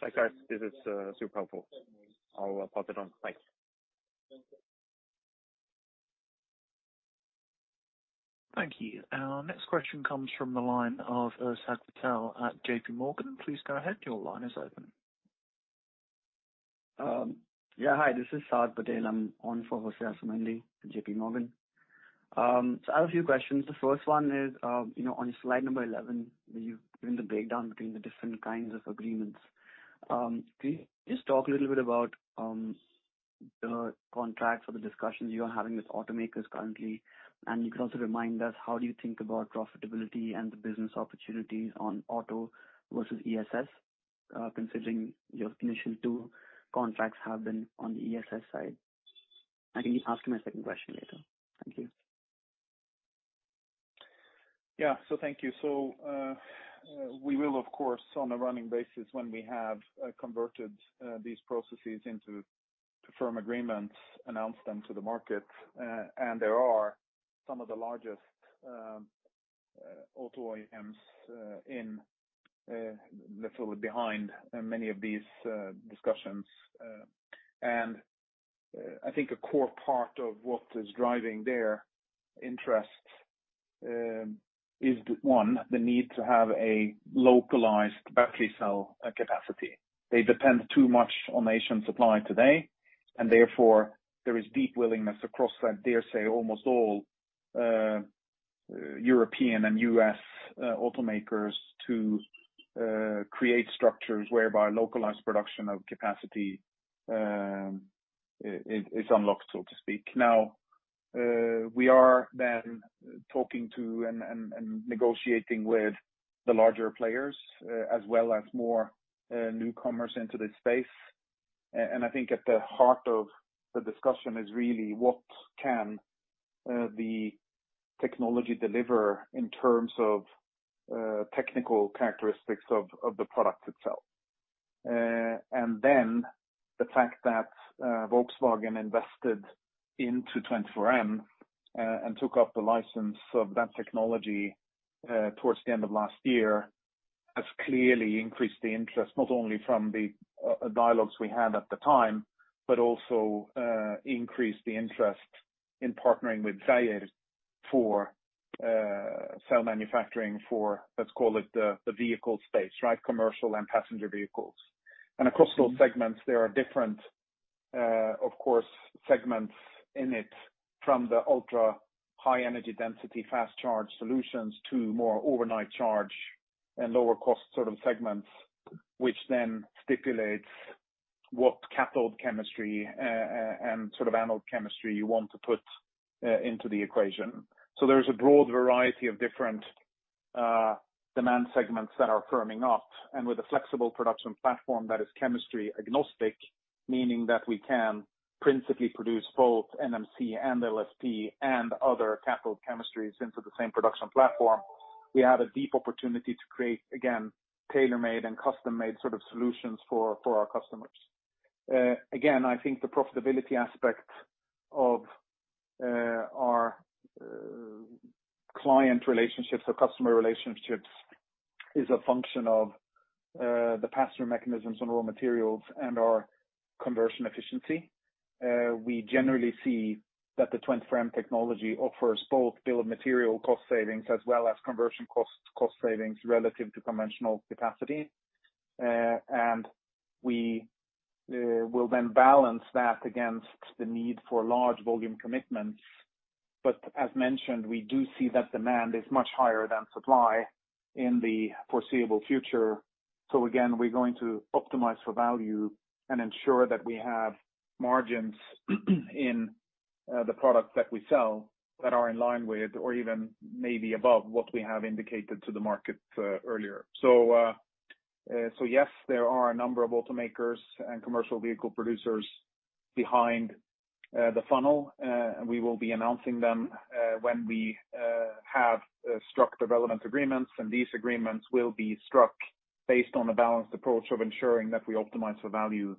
Thanks, guys. This is super helpful. I'll pass it on. Thanks. Thank you. Our next question comes from the line of Saad Patel at JPMorgan. Please go ahead. Your line is open. Hi, this is Saad Patel. I'm on for José Asumendi with JPMorgan. I have a few questions. The first one is, you know, on slide number 11, you've given the breakdown between the different kinds of agreements. Can you just talk a little bit about the contracts or the discussions you are having with automakers currently? You can also remind us how do you think about profitability and the business opportunities on auto versus ESS, considering your initial two contracts have been on the ESS side? I can ask my second question later. Thank you. Thank you. We will, of course, on a running basis, when we have converted these processes into firm agreements, announce them to the market. There are some of the largest auto OEMs literally behind many of these discussions. I think a core part of what is driving their interest is one, the need to have a localized battery cell capacity. They depend too much on Asian supply today, and therefore there is deep willingness across that, dare say, almost all European and U.S. automakers to create structures whereby localized production of capacity is unlocked, so to speak. Now, we are then talking to and negotiating with the larger players as well as more newcomers into this space. I think at the heart of the discussion is really what can the technology deliver in terms of technical characteristics of the product itself. And then the fact that Volkswagen invested into 24M and took up the license of that technology towards the end of last year has clearly increased the interest, not only from the dialogues we had at the time, but also increased the interest in partnering with FREYR for cell manufacturing for, let's call it the vehicle space, right? Commercial and passenger vehicles. Across those segments, there are different, of course, segments in it from the ultra-high energy density fast charge solutions to more overnight charge and lower cost sort of segments, which then stipulates what cathode chemistry and sort of anode chemistry you want to put into the equation. There's a broad variety of different demand segments that are firming up. With a flexible production platform that is chemistry agnostic, meaning that we can principally produce both NMC and LFP and other cathode chemistries into the same production platform, we have a deep opportunity to create, again, tailor-made and custom-made sort of solutions for our customers. Again, I think the profitability aspect of our client relationships or customer relationships is a function of the pass-through mechanisms on raw materials and our conversion efficiency. We generally see that the 24M technology offers both bill of material cost savings as well as conversion cost savings relative to conventional capacity. We will then balance that against the need for large volume commitments. As mentioned, we do see that demand is much higher than supply in the foreseeable future. Again, we're going to optimize for value and ensure that we have margins in the products that we sell that are in line with or even maybe above what we have indicated to the market earlier. Yes, there are a number of automakers and commercial vehicle producers behind the funnel. We will be announcing them when we have struck development agreements. These agreements will be struck based on a balanced approach of ensuring that we optimize for value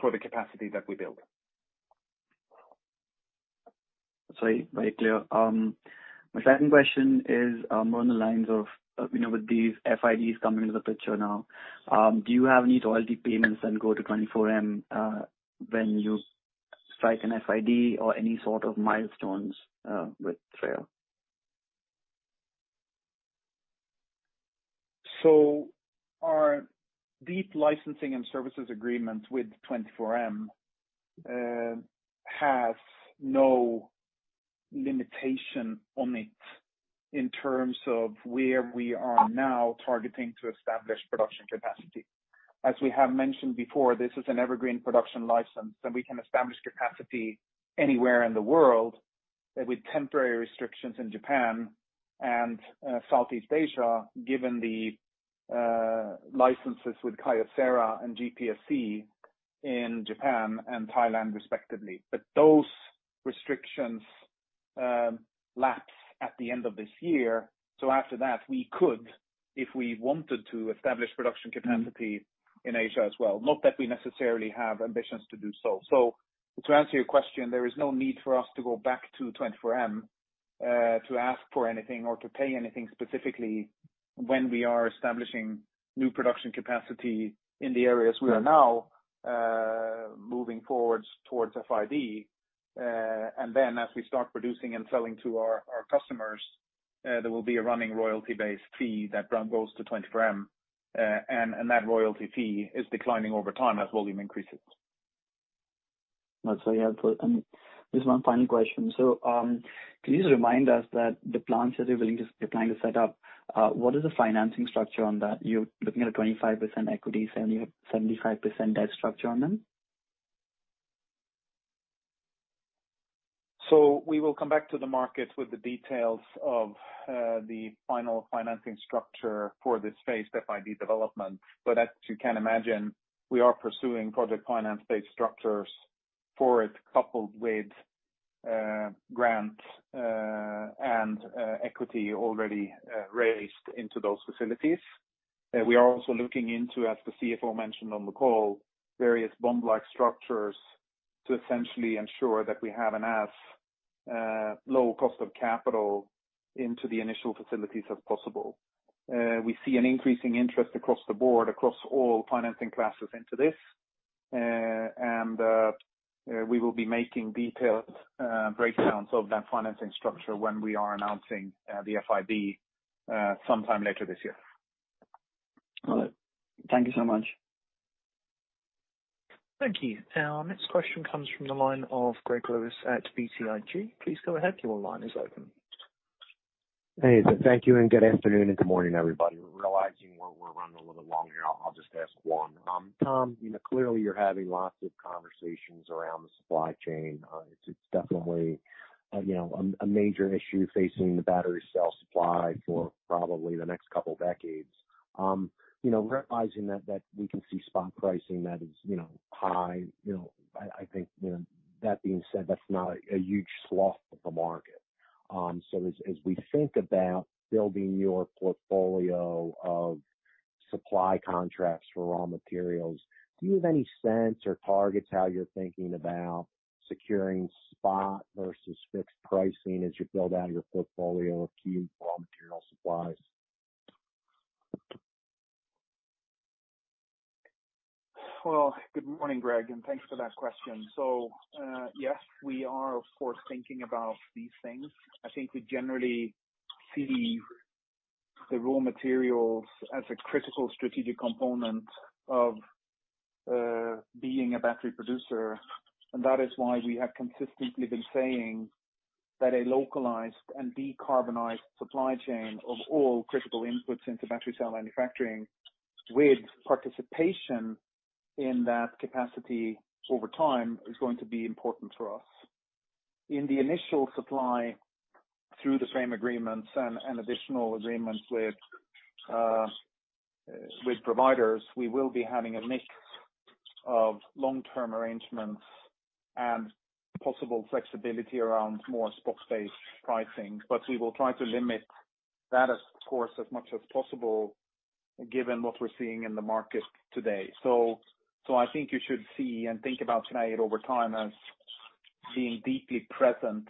for the capacity that we build. Sorry. Very clear. My second question is, on the lines of, you know, with these FIDs coming into the picture now, do you have any royalty payments that go to 24M, when you strike an FID or any sort of milestones, with FREYR? Our deep licensing and services agreement with 24M has no limitation on it in terms of where we are now targeting to establish production capacity. As we have mentioned before, this is an evergreen production license, and we can establish capacity anywhere in the world with temporary restrictions in Japan and Southeast Asia, given the licenses with Kyocera and GPSC in Japan and Thailand, respectively. Those restrictions lapse at the end of this year. After that, we could, if we wanted to, establish production capacity in Asia as well. Not that we necessarily have ambitions to do so. To answer your question, there is no need for us to go back to 24M to ask for anything or to pay anything specifically when we are establishing new production capacity in the areas we are now moving forward towards FID. As we start producing and selling to our customers, there will be a running royalty-based fee that then goes to 24M. That royalty fee is declining over time as volume increases. That's very helpful. Just one final question. Can you just remind us that the plants that you're planning to set up, what is the financing structure on that? You're looking at a 25% equity, 75% debt structure on them? We will come back to the market with the details of the final financing structure for this phase FID development. As you can imagine, we are pursuing project finance-based structures for it, coupled with grants and equity already raised into those facilities. We are also looking into, as the CFO mentioned on the call, various bond-like structures to essentially ensure that we have as low cost of capital into the initial facilities as possible. We see an increasing interest across the board, across all financing classes into this. We will be making detailed breakdowns of that financing structure when we are announcing the FID sometime later this year. All right. Thank you so much. Thank you. Our next question comes from the line of Greg Lewis at BTIG. Please go ahead. Your line is open. Hey. Thank you, and good afternoon and good morning, everybody. Realizing we're running a little long here, I'll just ask one. Tom, you know, clearly you're having lots of conversations around the supply chain. It's definitely, you know, a major issue facing the battery cell supply for probably the next couple decades. You know, realizing that we can see spot pricing that is, you know, high, you know, I think, you know, that being said, that's not a huge swath of the market. So as we think about building your portfolio of supply contracts for raw materials, do you have any sense or targets how you're thinking about securing spot versus fixed pricing as you build out your portfolio of key raw material supplies? Well, good morning, Greg, and thanks for that question. Yes, we are of course thinking about these things. I think we generally see the raw materials as a critical strategic component of being a battery producer. That is why we have consistently been saying that a localized and decarbonized supply chain of all critical inputs into battery cell manufacturing with participation in that capacity over time is going to be important for us. In the initial supply through the same agreements and additional agreements with providers, we will be having a mix of long-term arrangements and possible flexibility around more spot-based pricing. We will try to limit that of course, as much as possible given what we're seeing in the market today. I think you should see and think about today over time as being deeply present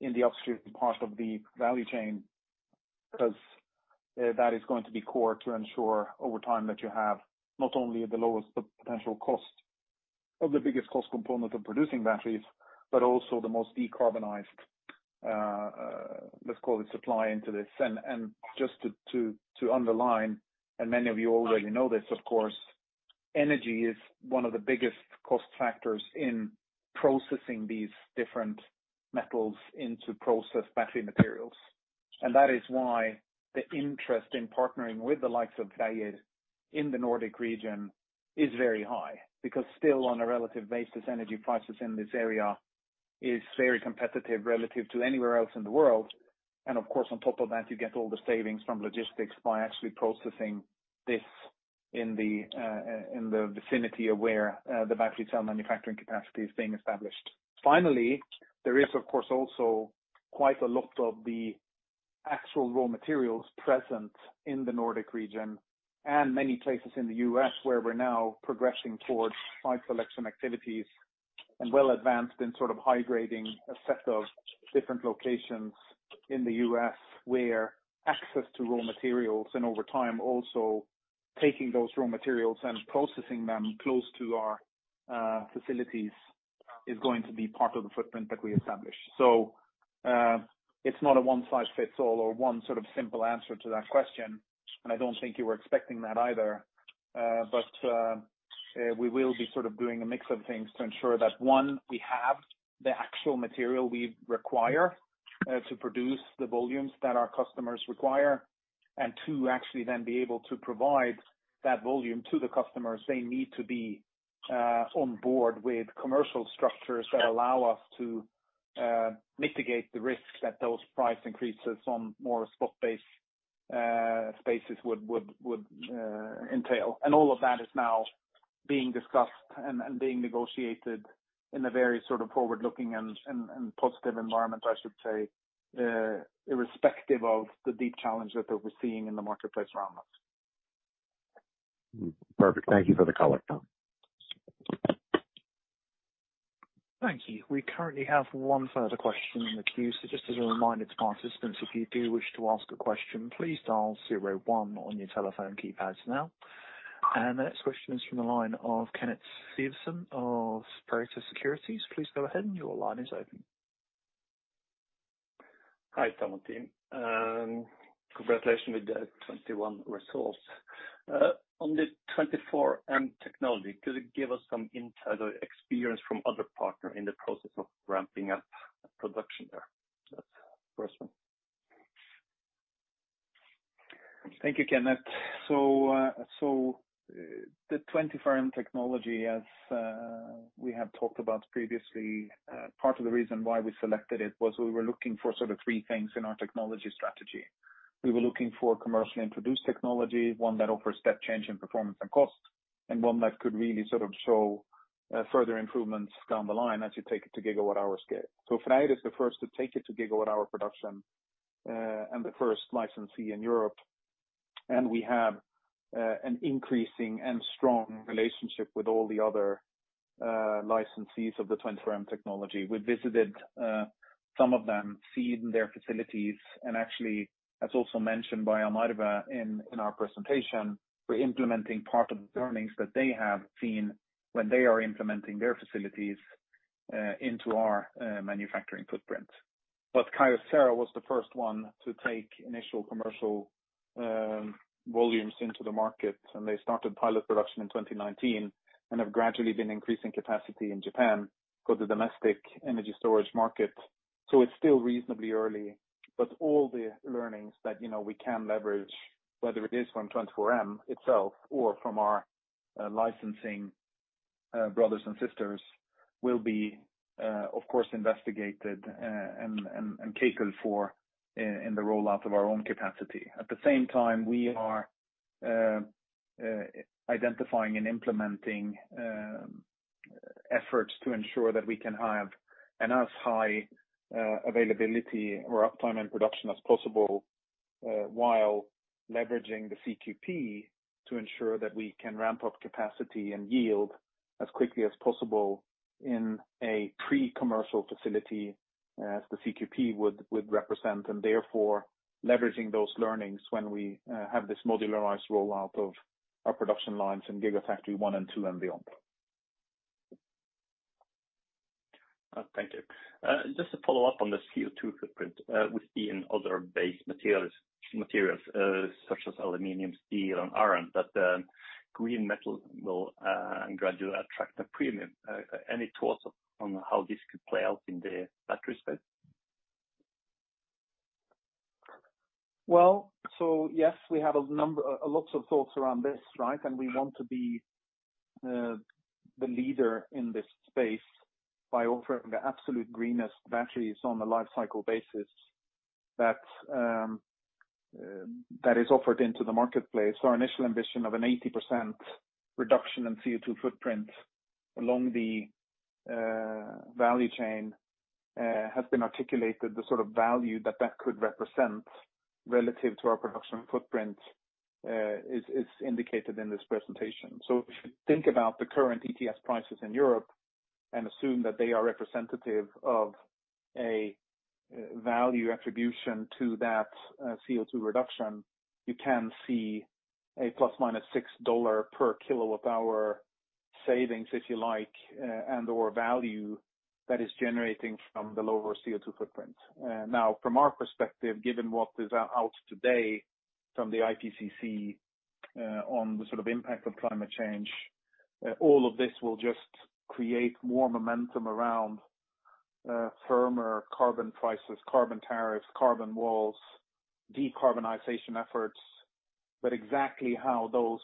in the upstream part of the value chain, because that is going to be core to ensure over time that you have not only the lowest potential cost of the biggest cost component of producing batteries, but also the most decarbonized, let's call it supply into this. Just to underline, many of you already know this of course, energy is one of the biggest cost factors in processing these different metals into processed battery materials. That is why the interest in partnering with the likes of FREYR in the Nordic region is very high. Because still on a relative basis, energy prices in this area is very competitive relative to anywhere else in the world. Of course, on top of that, you get all the savings from logistics by actually processing this in the vicinity of where the battery cell manufacturing capacity is being established. Finally, there is, of course, also quite a lot of the actual raw materials present in the Nordic region and many places in the U.S. where we're now progressing towards site selection activities and well advanced in sort of identifying a set of different locations in the U.S. where access to raw materials and over time also taking those raw materials and processing them close to our facilities is going to be part of the footprint that we establish. It's not a one-size-fits-all or one sort of simple answer to that question. I don't think you were expecting that either. We will be sort of doing a mix of things to ensure that, one, we have the actual material we require to produce the volumes that our customers require. Two, actually then be able to provide that volume to the customers they need to be on board with commercial structures that allow us to mitigate the risks that those price increases on more spot basis would entail. All of that is now being discussed and being negotiated in a very sort of forward-looking and positive environment, I should say, irrespective of the deep challenges that we're seeing in the marketplace around us. Perfect. Thank you for the color. Thank you. We currently have one further question in the queue. Just as a reminder to participants, if you do wish to ask a question, please dial zero one on your telephone keypads now. The next question is from the line of Kenneth Sivertsen of Pareto Securities. Please go ahead, and your line is open. Hi, Tom and team. Congratulations with the 2021 results. On the 24M technology, could you give us some insight or experience from other partner in the process of ramping up production there? That's the first one. Thank you, Kenneth. The 24M technology as we have talked about previously, part of the reason why we selected it was we were looking for sort of three things in our technology strategy. We were looking for commercially introduced technology, one that offers step change in performance and cost, and one that could really sort of show further improvements down the line as you take it to gigawatt hour scale. FREYR is the first to take it to gigawatt hour production, and the first licensee in Europe. We have an increasing and strong relationship with all the other licensees of the 24M technology. We visited some of them, seen their facilities. Actually, as also mentioned by Jan Arve in our presentation, we're implementing part of the learnings that they have seen when they are implementing their facilities into our manufacturing footprint. Kyocera was the first one to take initial commercial volumes into the market, and they started pilot production in 2019 and have gradually been increasing capacity in Japan for the domestic energy storage market. It's still reasonably early, but all the learnings that you know we can leverage, whether it is from 24M itself or from our licensing brothers and sisters will be of course investigated and catered for in the rollout of our own capacity. At the same time, we are identifying and implementing efforts to ensure that we can have enough high availability or uptime in production as possible, while leveraging the CQP to ensure that we can ramp up capacity and yield as quickly as possible in a pre-commercial facility as the CQP would represent, and therefore leveraging those learnings when we have this modularized rollout of our production lines in gigafactory one and two and beyond. Thank you. Just to follow up on this CO2 footprint, we see in other base materials such as aluminum, steel, and iron, that green metal will gradually attract a premium. Any thoughts on how this could play out in the battery space? Well, yes, we have lots of thoughts around this, right? We want to be the leader in this space by offering the absolute greenest batteries on a life cycle basis that is offered into the marketplace. Our initial ambition of an 80% reduction in CO2 footprint along the value chain has been articulated. The sort of value that that could represent relative to our production footprint is indicated in this presentation. If you think about the current ETS prices in Europe and assume that they are representative of a value attribution to that CO2 reduction, you can see a ±$6 per kWh savings, if you like, and/or value that is generating from the lower CO2 footprint. Now from our perspective, given what is out today from the IPCC, on the sort of impact of climate change, all of this will just create more momentum around firmer carbon prices, carbon tariffs, carbon walls, decarbonization efforts. Exactly how those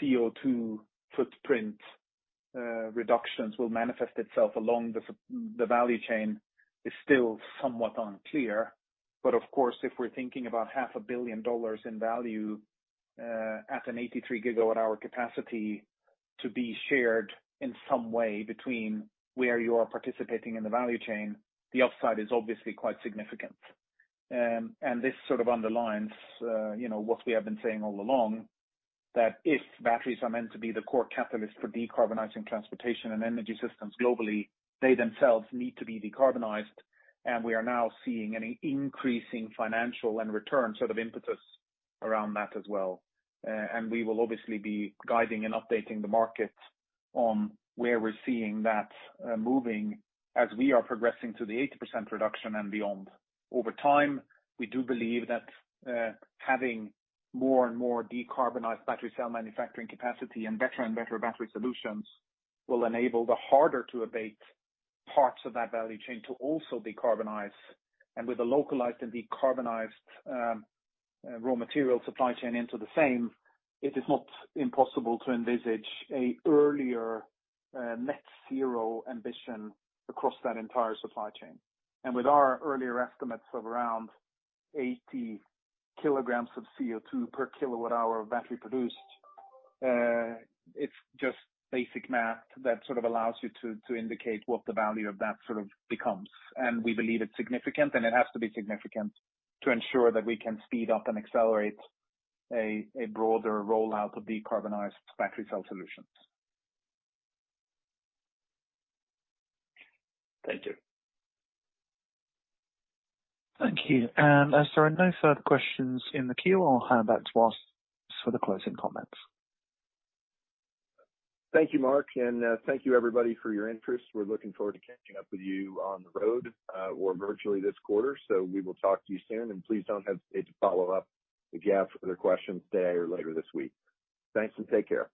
CO2 footprint reductions will manifest itself along the value chain is still somewhat unclear. Of course, if we're thinking about half a billion dollars in value, at an 83 GWh capacity to be shared in some way between where you are participating in the value chain, the upside is obviously quite significant. This sort of underlines, you know, what we have been saying all along, that if batteries are meant to be the core catalyst for decarbonizing transportation and energy systems globally, they themselves need to be decarbonized. We are now seeing an increasing financial and return sort of impetus around that as well. We will obviously be guiding and updating the market on where we're seeing that moving as we are progressing to the 80% reduction and beyond. Over time, we do believe that having more and more decarbonized battery cell manufacturing capacity and better and better battery solutions will enable the harder to abate parts of that value chain to also be decarbonized. With a localized and decarbonized raw material supply chain into the same, it is not impossible to envisage an earlier net zero ambition across that entire supply chain. With our earlier estimates of around 80 kilograms of CO2 per kilowatt hour of battery produced, it's just basic math that sort of allows you to indicate what the value of that sort of becomes. We believe it's significant, and it has to be significant to ensure that we can speed up and accelerate a broader rollout of decarbonized battery cell solutions. Thank you. Thank you. As there are no further questions in the queue, I'll hand back to Tom for the closing comments. Thank you, Mark, and thank you everybody for your interest. We're looking forward to catching up with you on the road or virtually this quarter. We will talk to you soon, and please don't hesitate to follow up if you have further questions today or later this week. Thanks and take care.